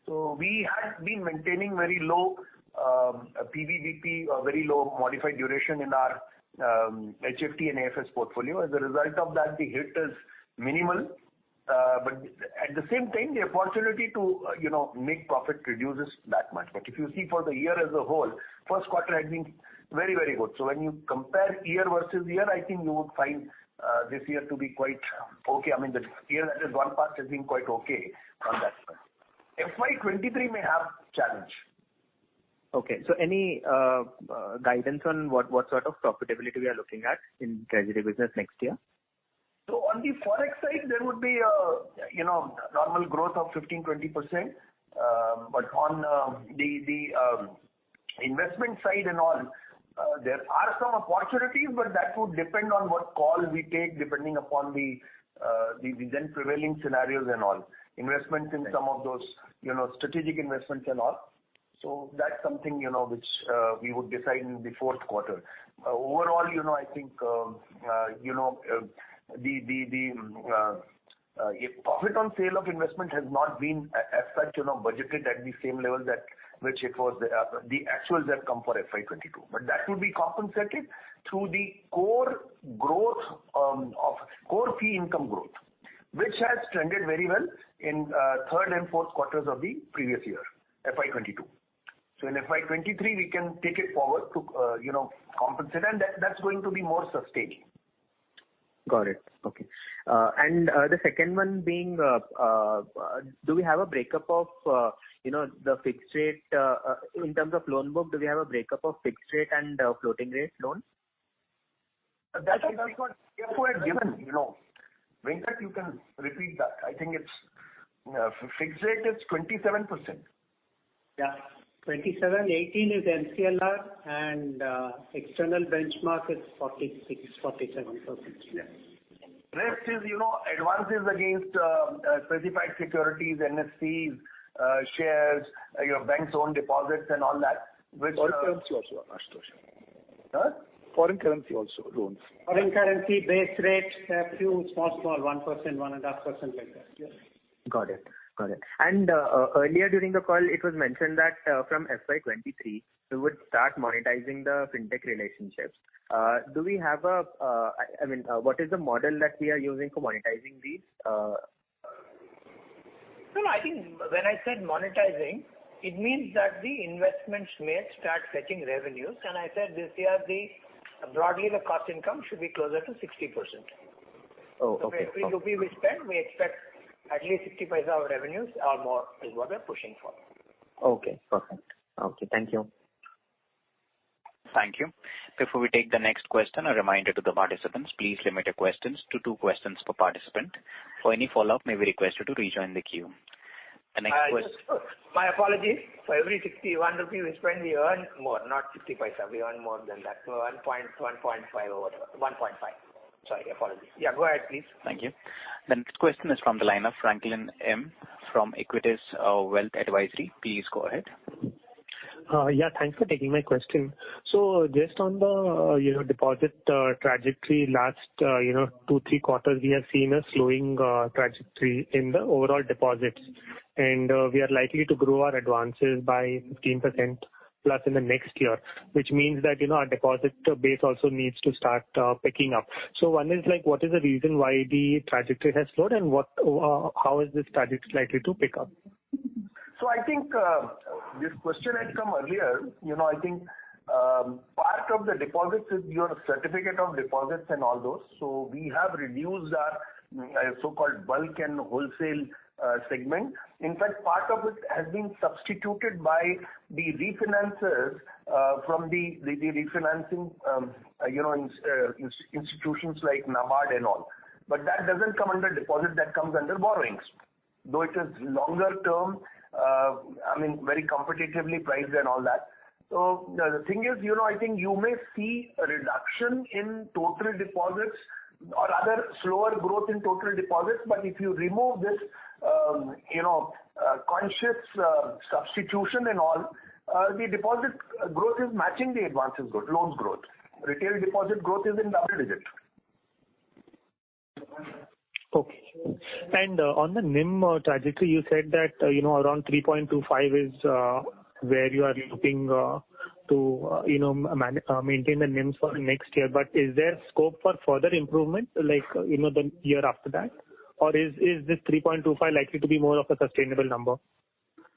We had been maintaining very low PV01 or very low modified duration in our HFT and AFS portfolio. As a result of that, the hit is minimal. But at the same time, the opportunity to make profit reduces that much. If you see for the year as a whole, Q1 has been very, very good. When you compare year versus year, I think you would find this year to be quite okay. I mean, the year that has gone past has been quite okay on that front. FY 2023 may have challenge. Okay. Any guidance on what sort of profitability we are looking at in treasury business next year? On the Forex side, there would be, you know, normal growth of 15%-20%. On the investment side and all, there are some opportunities, but that would depend on what call we take depending upon the then prevailing scenarios and all. Investments in some of those, you know, strategic investments and all. That's something, you know, which we would decide in the Q4. Overall, you know, I think, if profit on sale of investment has not been as such, you know, budgeted at the same level that which it was, the actuals that come for FY 2022. That would be compensated through the core growth of core fee income growth, which has trended very well in third and Q4 of the previous year, FY 2022. In FY 2023, we can take it forward to you know, compensate and that's going to be more sustaining. Got it. Okay. The second one being, do we have a break-up of, you know, the fixed rate in terms of loan book, fixed rate and floating rate loans? That I think what CFO had given, you know. Venkatraman Venkateswaran, you can repeat that. I think it's fixed rate is 27%. Yeah. 27%. 18% is MCLR and external benchmark is 46%-47%. Yes. Rest is, you know, advances against specified securities, NFCs, shares, your bank's own deposits and all that, which. Foreign currency also, Ashutosh. Huh? Foreign currency loans also. Foreign currency base rate, a few small, 1%, 1.5% like that. Yes. Got it. Earlier during the call, it was mentioned that from FY 2023, we would start monetizing the fintech relationships. Do we have a, I mean, what is the model that we are using for monetizing these? No, I think when I said monetizing, it means that the investments may start fetching revenues. I said this year, broadly, the cost income should be closer to 60%. Oh, okay. Every rupee we spend, we expect at least 60 paise our revenues or more is what we're pushing for. Okay, perfect. Okay, thank you. Thank you. Before we take the next question, a reminder to the participants, please limit your questions to two questions per participant. For any follow-up, may we request you to rejoin the queue. The next question. Yes. My apologies. For every 61 rupee we spend, we earn more, not 0.60. We earn more than that. 1.0, 1.5 or whatever. 1.5. Sorry, I apologize. Yeah, go ahead, please. Thank you. The next question is from the line of Franklin M. from Equitas Wealth Advisory. Please go ahead. Yeah, thanks for taking my question. Just on the, you know, deposit trajectory last, you know, two, three quarters we have seen a slowing trajectory in the overall deposits. We are likely to grow our advances by 15% plus in the next year, which means that, you know, our deposit base also needs to start picking up. One is like, what is the reason why the trajectory has slowed and what, how is this trajectory likely to pick up? I think this question had come earlier. You know, I think, part of the deposits is your certificate of deposits and all those. We have reduced our so-called bulk and wholesale segment. In fact, part of it has been substituted by the refinances from the refinancing institutions like NABARD and all. But that doesn't come under deposit, that comes under borrowings. Though it is longer term, I mean, very competitively priced and all that. The thing is, you know, I think you may see a reduction in total deposits or rather slower growth in total deposits. But if you remove this, you know, conscious substitution and all, the deposit growth is matching the advances growth, loans growth. Retail deposit growth is in double digit. Okay. On the NIM trajectory, you said that, you know, around 3.25% is where you are looking to, you know, maintain the NIMs for next year. Is there scope for further improvement like, you know, the year after that? Or is this 3.25% likely to be more of a sustainable number?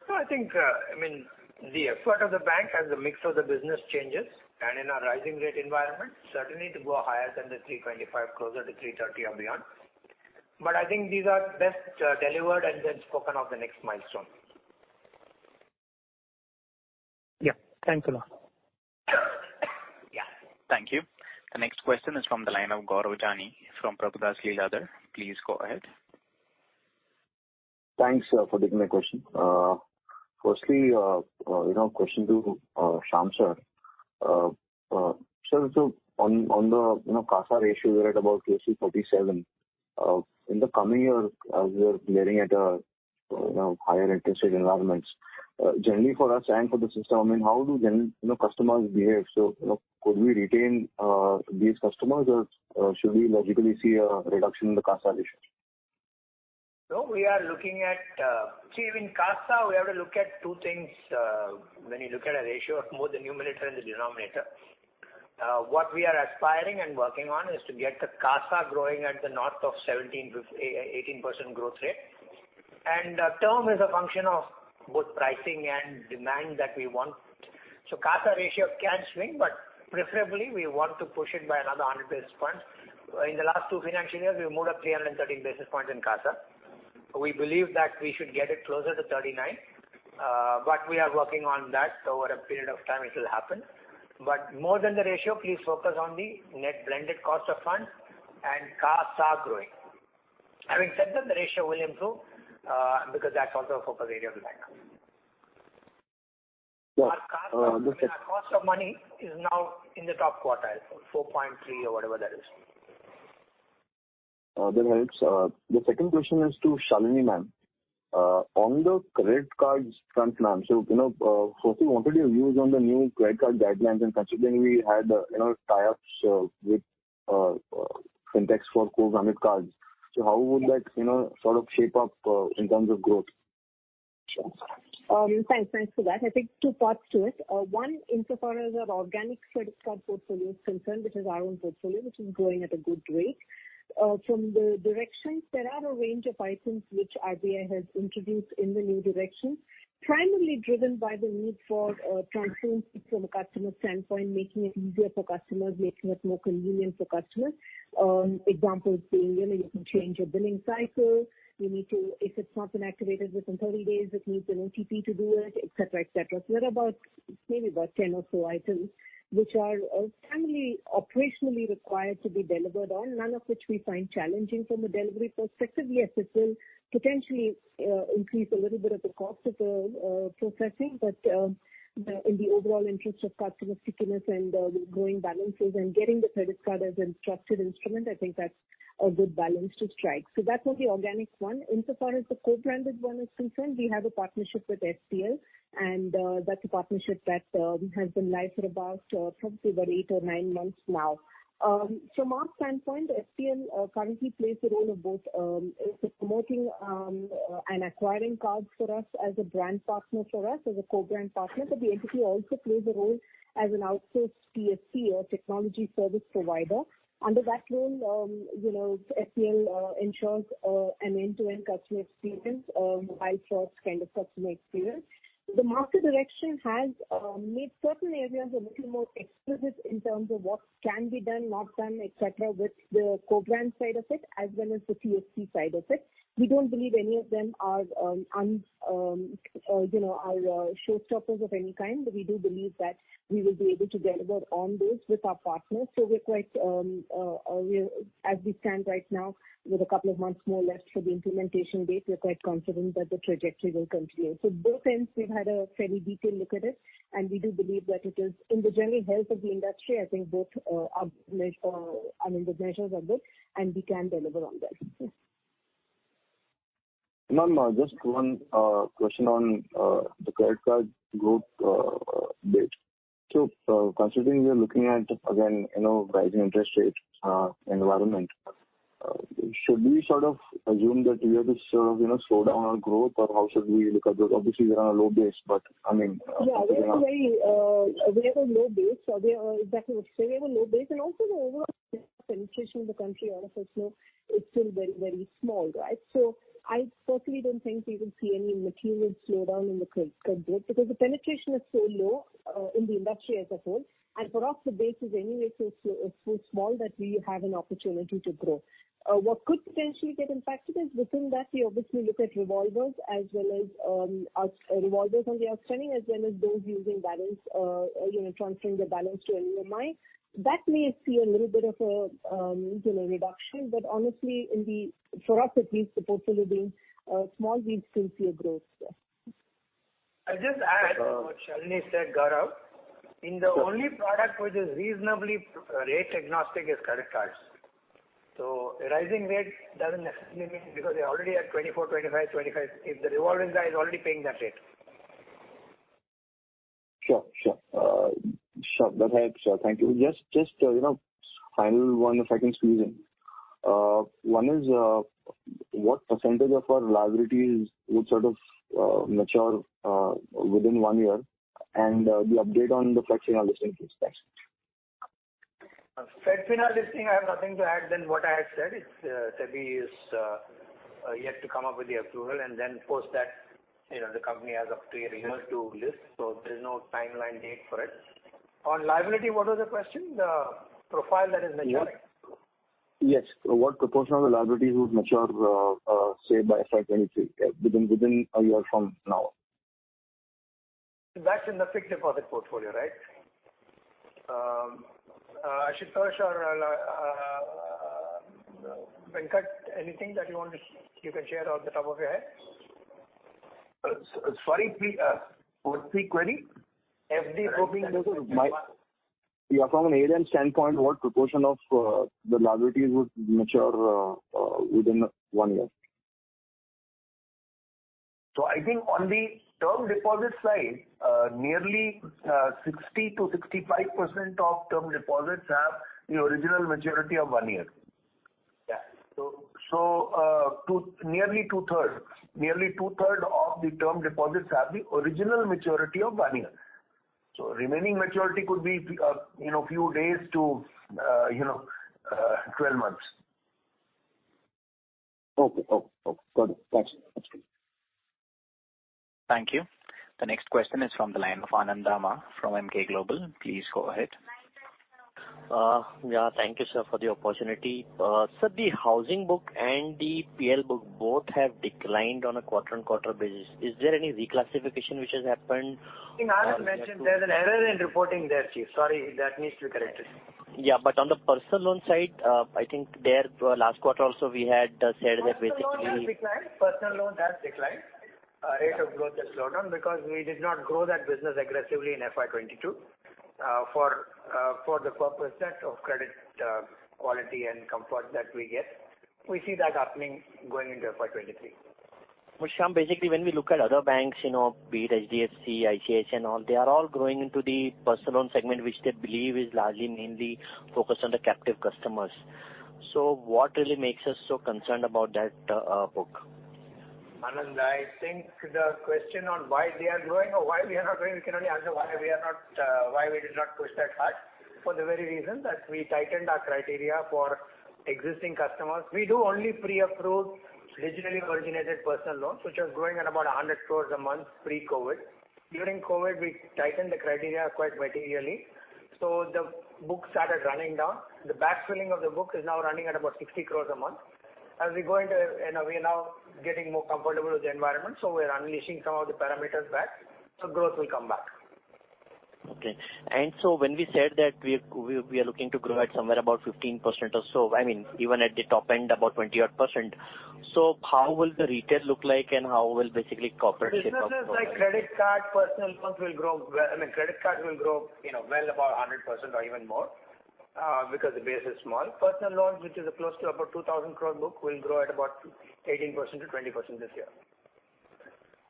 No, I think, I mean, the effort of the bank as the mix of the business changes and in a rising rate environment certainly to go higher than the 3.5%, closer to 3.30% or beyond. I think these are best delivered and then spoken of the next milestone. Yeah. Thanks a lot. Yeah. Thank you. The next question is from the line of Gaurav Jani from Prabhudas Lilladher. Please go ahead. Thanks for taking my question. Firstly, you know, question to Shyam Srinivasan. On the CASA ratio, we're at about 37%. In the coming year, as we are staring at a higher interest rate environment, generally for us and for the system, I mean, how do you know customers behave? You know, could we retain these customers or should we logically see a reduction in the CASA ratio? No, we are looking at. See, even CASA, we have to look at two things, when you look at a ratio of both the numerator and the denominator. What we are aspiring and working on is to get the CASA growing at the north of 17 with a 8%-18% growth rate. The term is a function of both pricing and demand that we want. CASA ratio can swing, but preferably we want to push it by another 100 basis points. In the last two financial years, we moved up 300 basis points in CASA. We believe that we should get it closer to 39, but we are working on that, over a period of time it will happen. More than the ratio, please focus on the net blended cost of funds and CASA growing. Having said that, the ratio will improve, because that's also a focus area of the bank. Yeah. Our cost of money is now in the top quartile, 4.3% or whatever that is. That helps. The second question is to Shalini ma'am. On the credit cards front now, you know, first we wanted your views on the new credit card guidelines and considering we had, you know, tie-ups with fintechs for co-branded cards. How would that, you know, sort of shape up in terms of growth? Thanks. Thanks for that. I think two parts to it. One insofar as our organic credit card portfolio is concerned, which is our own portfolio, which is growing at a good rate. From the directions, there are a range of items which RBI has introduced in the new direction, primarily driven by the need for transparency from a customer standpoint, making it easier for customers, making it more convenient for customers. Examples being really you can change your billing cycle, if it's not been activated within 30 days, it needs an OTP to do it, et cetera, et cetera. There are about maybe 10 or so items which are primarily operationally required to be delivered on, none of which we find challenging from a delivery perspective. Yes, it will potentially increase a little bit of the cost of processing. In the overall interest of customer stickiness and growing balances and getting the credit card as a trusted instrument, I think that's a good balance to strike. That was the organic one. Insofar as the co-branded one is concerned, we have a partnership with OneCard and that's a partnership that has been live for probably about eight or nine months now. From our standpoint, OneCard currently plays the role of both in supporting and acquiring cards for us as a brand partner for us, as a co-brand partner. The entity also plays a role as an outsourced TSP or technology service provider. Under that role, you know, OneCard ensures an end-to-end customer experience, mobile first kind of customer experience. The market direction has made certain areas a little more explicit in terms of what can be done, not done, et cetera, with the co-brand side of it as well as the TSP side of it. We don't believe any of them are, you know, showstoppers of any kind. We do believe that we will be able to deliver on those with our partners. As we stand right now with a couple of months more left for the implementation date, we're quite confident that the trajectory will continue. Both ends we've had a very detailed look at it and we do believe that it is in the general health of the industry. I think both are made, I mean the measures are good and we can deliver on that. Yes. Ma'am, just one question on the credit card growth bit. Considering we are looking at again, you know, rising interest rate environment, should we sort of assume that we have this, you know, slowdown on growth or how should we look at this? Obviously we're on a low base, but I mean. Yeah, we are very aware of low base. We are exactly what you say we have a low base and also the overall penetration in the country all of us know it's still very, very small, right? I certainly don't think we will see any material slowdown in the credit card growth because the penetration is so low in the industry as a whole. For us the base is anyway so low, so small that we have an opportunity to grow. What could potentially get impacted is within that we obviously look at revolvers as well as our revolvers on the outstanding as well as those using balance, you know, transferring the balance to an EMI. That may see a little bit of a you know, reduction. Honestly, in the, for us at least the portfolio being small we still see a growth there. I'll just add what Shalini said, Gaurav. I mean, the only product which is reasonably rate agnostic is credit cards. Rising rates doesn't necessarily mean because they're already at 24%, 25%, 25% if the revolving guy is already paying that rate. Sure. That helps. Thank you. You know, final one if I can squeeze in. One is what percentage of our liabilities would sort of mature within one year and the update on the FedFina listing, please? Thanks. FedFina listing, I have nothing to add than what I had said. It's SEBI is yet to come up with the approval and then post that, you know, the company has up to a year to list, so there's no timeline date for it. On liability, what was the question? Profile that is maturing? Yes. Yes. What proportion of the liabilities would mature, say by FY23? Within a year from now. That's in the fixed deposit portfolio, right? Ashutosh or Venkat, anything that you want to, you can share off the top of your head. Sorry, please. Repeat query. FD portfolio Yeah. From an ALM standpoint, what proportion of the liabilities would mature within one year? I think on the term deposit side, nearly 60%-65% of term deposits have the original maturity of one year. Nearly two-thirds of the term deposits have the original maturity of one year. Remaining maturity could be, you know, few days to, you know, 12 months. Okay. Got it. That's good. Thank you. The next question is from the line of Anand Dama from Emkay Global. Please go ahead. Yeah, thank you, sir, for the opportunity. The housing book and the P&L book both have declined on a quarter-on-quarter basis. Is there any reclassification which has happened? I think Anand mentioned there's an error in reporting there, chief. Sorry, that needs to be corrected. Yeah, on the personal loan side, I think there, last quarter also, we had said that basically. Personal loan has declined. Rate of growth has slowed down because we did not grow that business aggressively in FY 2022 for the purpose of credit quality and comfort that we get. We see that happening going into FY 2023. Shyam, basically, when we look at other banks, you know, be it HDFC, ICICI and all, they are all growing into the personal loan segment, which they believe is largely mainly focused on the captive customers. What really makes us so concerned about that book? Anand, I think the question on why they are growing or why we are not growing, we can only answer why we are not, why we did not push that hard for the very reason that we tightened our criteria for existing customers. We do only pre-approved, digitally originated personal loans, which was growing at about 100 crore a month pre-COVID. During COVID, we tightened the criteria quite materially, so the book started running down. The backfilling of the book is now running at about 60 crore a month. As we go into, you know, we are now getting more comfortable with the environment, so we're unleashing some of the parameters back, so growth will come back. Okay. When we said that we are looking to grow at somewhere about 15% or so, I mean, even at the top end, about 20-odd%. How will the retail look like and how will basically corporate- The businesses like credit card, personal loans will grow well. I mean, credit card will grow, you know, well about 100% or even more, because the base is small. Personal loans, which is close to about 2,000 crore book, will grow at about 18%-20% this year.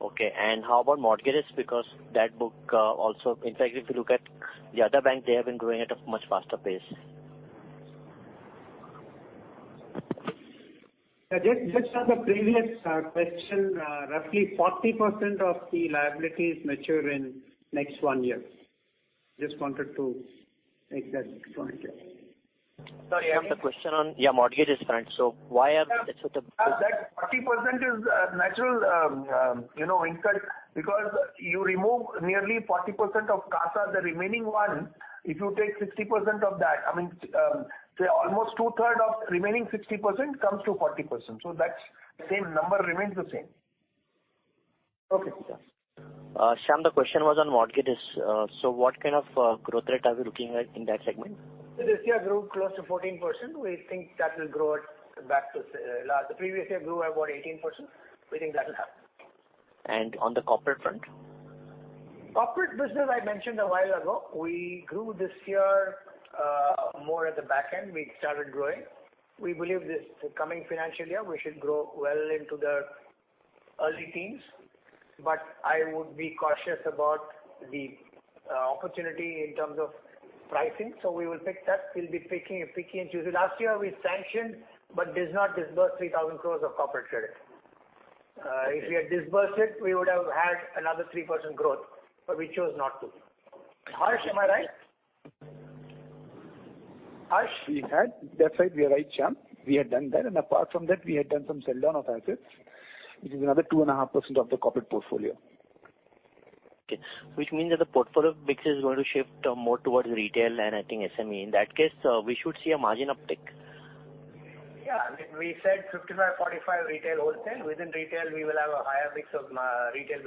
Okay. How about mortgages? Because that book also. In fact, if you look at the other bank, they have been growing at a much faster pace. Just on the previous question, roughly 40% of the liability is mature in next 1 year. Just wanted to make that point clear. Sir, I have the question on your mortgage is different. Why are- That 40% is natural, you know, in such because you remove nearly 40% of CASA, the remaining one, if you take 60% of that, I mean, say almost two-thirds of remaining 60% comes to 40%. That's the same number remains the same. Shyam, the question was on mortgages. What kind of growth rate are we looking at in that segment? This year grew close to 14%. We think that will grow back to last. The previous year grew about 18%. We think that'll happen. On the corporate front? Corporate business, I mentioned a while ago. We grew this year more at the back end. We started growing. We believe this coming financial year we should grow well into the early teens. I would be cautious about the opportunity in terms of pricing. We will pick that. We'll be picking and choosing. Last year we sanctioned but did not disburse 3,000 crore of corporate credit. If we had disbursed it, we would have had another 3% growth, but we chose not to. Harsh, am I right? Harsh? We had. That's right. You are right, Shyam. We had done that. Apart from that, we had done some sell-down of assets, which is another 2.5% of the corporate portfolio. Okay. Which means that the portfolio mix is going to shift more towards retail and I think SME. In that case, we should see a margin uptick. Yeah. We said 55, 45 retail wholesale. Within retail we will have a higher mix of retail,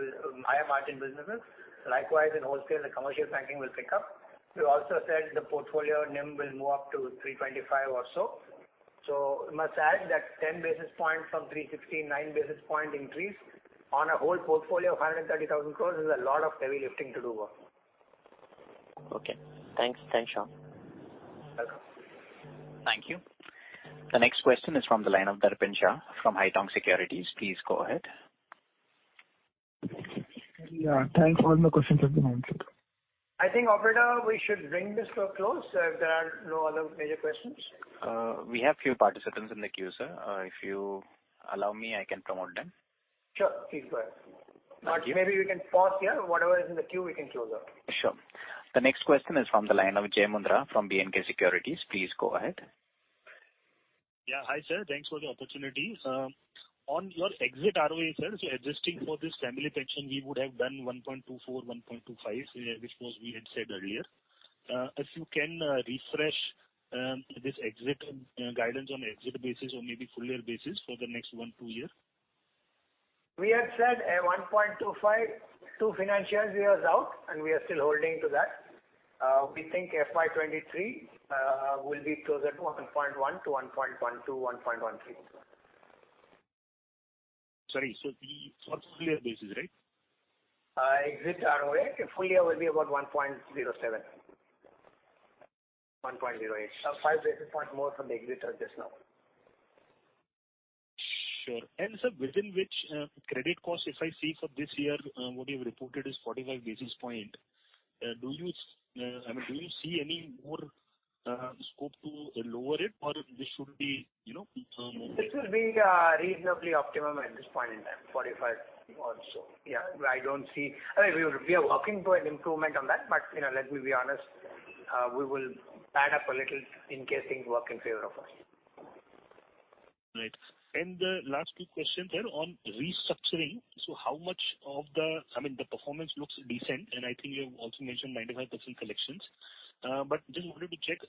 higher margin businesses. Likewise, in wholesale the commercial banking will pick up. We also said the portfolio NIM will move up to 3.25 or so. Must add that 10 basis points from 3.69 basis points increase on a whole portfolio of 130,000 crore is a lot of heavy lifting to do. Okay. Thanks, Shyam. Welcome. Thank you. The next question is from the line of Darpan Shah from Haitong Securities. Please go ahead. Yeah. Thanks. All my questions have been answered. I think, operator, we should bring this to a close if there are no other major questions. We have few participants in the queue, sir. If you allow me, I can promote them. Sure. Please go ahead. Thank you. Maybe we can pause here. Whatever is in the queue, we can close out. Sure. The next question is from the line of Jai Mundhra from B&K Securities. Please go ahead. Yeah. Hi, sir. Thanks for the opportunity. On your exit ROA, sir, so adjusting for this family pension, we would have done 1.24, 1.25, which was we had said earlier. If you can refresh this exit guidance on exit basis or maybe full year basis for the next 1-2 year. We had said 1.25%, 2 financial years out, and we are still holding to that. We think FY 2023 will be closer to 1.1% to 1.12%, 1.13%. Sorry. The full year basis, right? Exit ROA full year will be about 1.07%-1.08%. Five basis points more from the exit of this now. Sure. Sir, within which, credit cost if I see for this year, what you've reported is 45 basis point. I mean, do you see any more scope to lower it or this should be, you know? This will be reasonably optimum at this point in time, 45 or so. I don't see. I mean, we are working for an improvement on that, but, you know, let me be honest, we will add up a little in case things work in favor of us. Right. The last two questions are on restructuring. How much of the, I mean, the performance looks decent, and I think you have also mentioned 95% collections. But just wanted to check,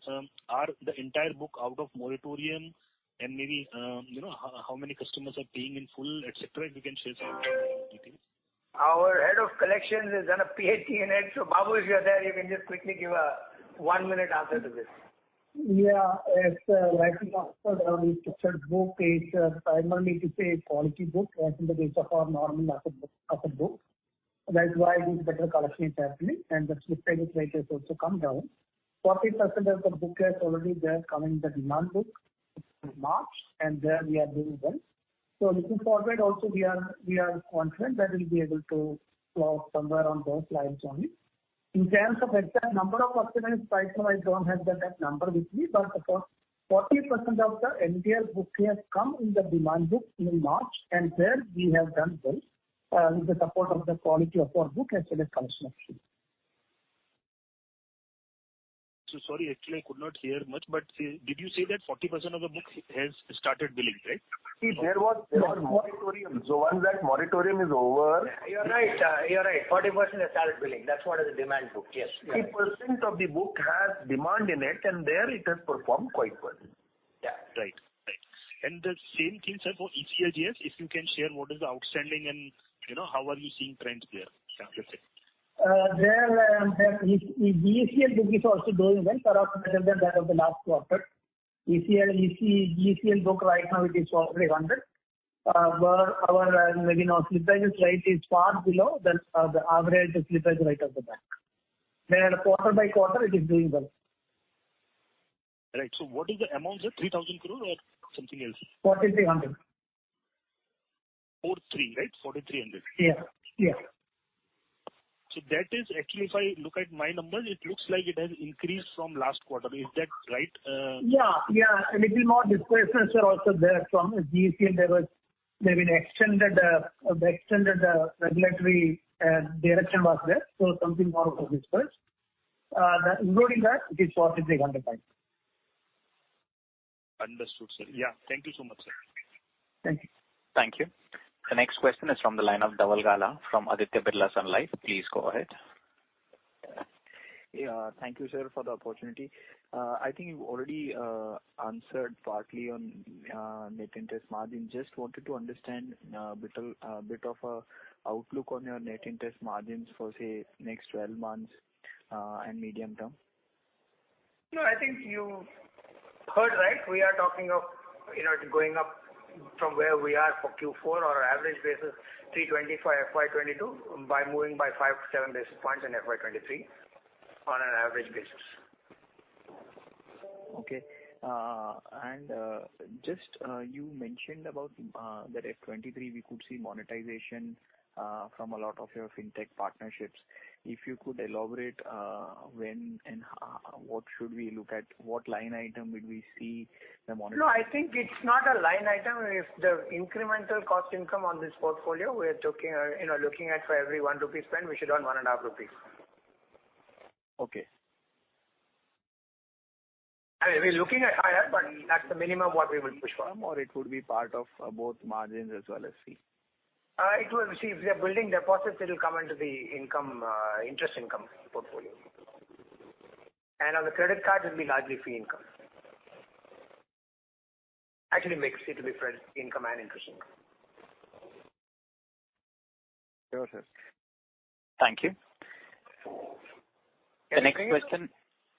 are the entire book out of moratorium and maybe, you know, how many customers are paying in full, et cetera? If you can share some details. Our head of collections is on a PhD in it. Babu, if you're there, you can just quickly give a one-minute answer to this. Yeah. As rightly asked, restructured book is primarily it is a quality book. I think that is of our normal asset book. That's why this better collection is happening and the slippage rate has also come down. 40% of the book has already there come in the standard book in March and there we are doing well. Looking forward also we are confident that we'll be able to close somewhere on those lines only. In terms of exact number of customers right now I don't have that number with me, but about 40% of the restructured book has come in the standard book in March and there we have done well with the support of the quality of our book as well as collection actually. Sorry, actually I could not hear much, but did you say that 40% of the book has started billing, right? There was moratorium. Once that moratorium is over- You're right. 40% has started billing. That's what is the demand book. Yes. 40% of the book has demand in it, and there it has performed quite well. Yeah. Right. The same thing, sir, for ECLGS, if you can share what is the outstanding and, you know, how are you seeing trends there, shall you say? The ECL book is also doing well, far better than that of the last quarter. ECL book right now it is already 100. Our maybe now slippage rate is far below than the average slippage rate of the bank. Quarter by quarter it is doing well. Right. What is the amount, sir? 3,000 crore or something else? 4,300. 43, right? 4,300. Yeah. Yeah. That is actually if I look at my numbers, it looks like it has increased from last quarter. Is that right? A little more disbursements are also there from GECL and there was maybe an extended regulatory dispensation was there, so something more of a disbursement. Including that it is 4,300, right. Understood, sir. Yeah. Thank you so much, sir. Thank you. Thank you. The next question is from the line of Dhaval Gala from Aditya Birla Sun Life. Please go ahead. Yeah. Thank you, sir, for the opportunity. I think you've already answered partly on net interest margin. Just wanted to understand bit of a outlook on your net interest margins for, say, next 12 months, and medium term. No, I think you heard right. We are talking of, you know, it going up from where we are for Q4 on an average basis, 3.25 FY 2022 by moving by 5-7 basis points in FY 2023 on an average basis. Okay. Just you mentioned about that in FY 2023 we could see monetization from a lot of your FinTech partnerships. If you could elaborate, when and how, what should we look at? What line item would we see the money? No, I think it's not a line item. If the incremental cost income on this portfolio, we are talking, you know, looking at for every 1 rupee spend, we should earn 1.5 rupees. Okay. We're looking at higher, but that's the minimum what we will push for. It would be part of both margins as well as fee? See, if we are building deposits, it will come into the income, interest income portfolio. On the credit card, it will be largely fee income. Actually mix, it will be spread income and interest income. Got it. Thank you. The next question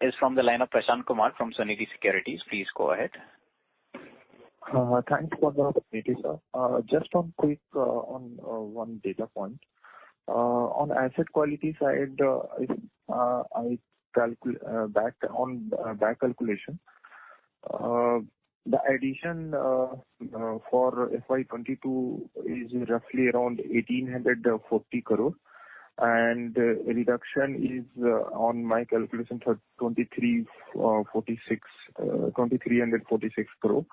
is from the line of Prashant Kumar from Sunidhi Securities. Please go ahead. Thanks for the opportunity, sir. Just one quick on one data point. On asset quality side, based on back calculation. The addition for FY 2022 is roughly around 1,840 crore and reduction is, on my calculation for 2023, 2,346 crore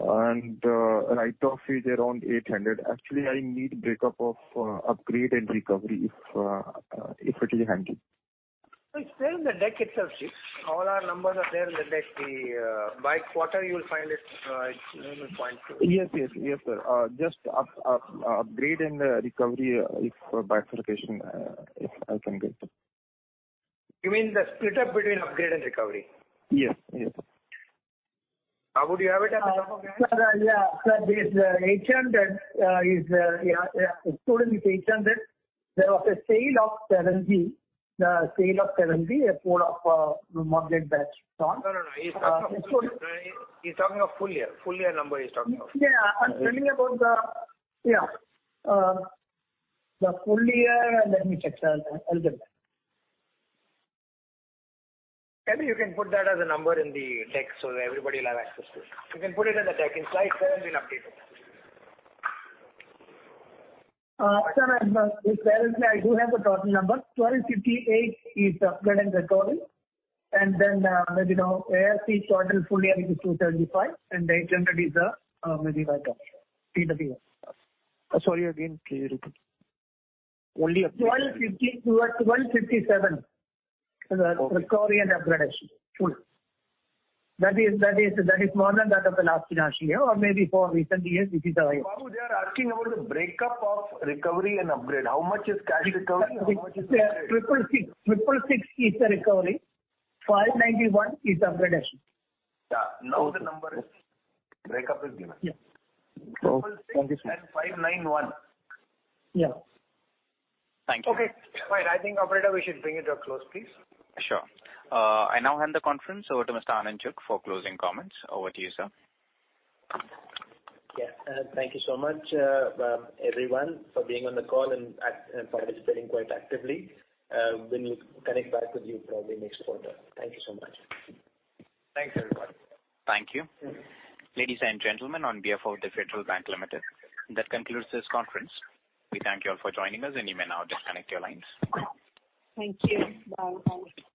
and write-off is around 800 crore. Actually, I need breakup of upgrade and recovery if it is handy. It's there in the deck itself. All our numbers are there in the deck. By quarter, you will find it. It's in the point. Yes. Yes, sir. Just upgrade and recovery, if by allocation, if I can get it. You mean the split up between upgrade and recovery? Yes. Yes. How would you have it as a number again? Sir, yeah. Sir, this INR 800 is, yeah. Including this INR 800, there was a sale of 70, a pool of bad debt stock. No. He's talking of full year. Full year number he's talking about. The full year, let me check, sir. I'll get back. Maybe you can put that as a number in the deck so everybody will have access to it. You can put it in the deck in slide seven. We'll update it. Sir, in slide seven I do have the total number. 1,258 is upgrade and recovery. Maybe now ARC total full year is 235 and 800 is the maybe write-off. Sorry, again, can you repeat? Only upgrade. 1,250, 1,257 is the recovery and upgrade actually. Full. That is more than that of the last financial year or maybe for recent years this is the highest. Babu, they are asking about the breakup of recovery and upgrade. How much is cash recovery? How much is upgrade? Sir, 3.6. 3.6 is the recovery. 5.91 is upgrade actually. Yeah. Now the number is. Break-up is given. Okay. Thank you, sir. Triple six and five nine one. Yeah. Thank you. Okay, fine. I think operator we should bring it to a close, please. Sure. I now hand the conference over to Mr. Anand Chugh for closing comments. Over to you, sir. Yeah. Thank you so much, everyone for being on the call and participating quite actively. We will connect back with you probably next quarter. Thank you so much. Thanks, everyone. Thank you. Ladies and gentlemen, on behalf of the Federal Bank Limited, that concludes this conference. We thank you all for joining us, and you may now disconnect your lines. Thank you. Bye bye.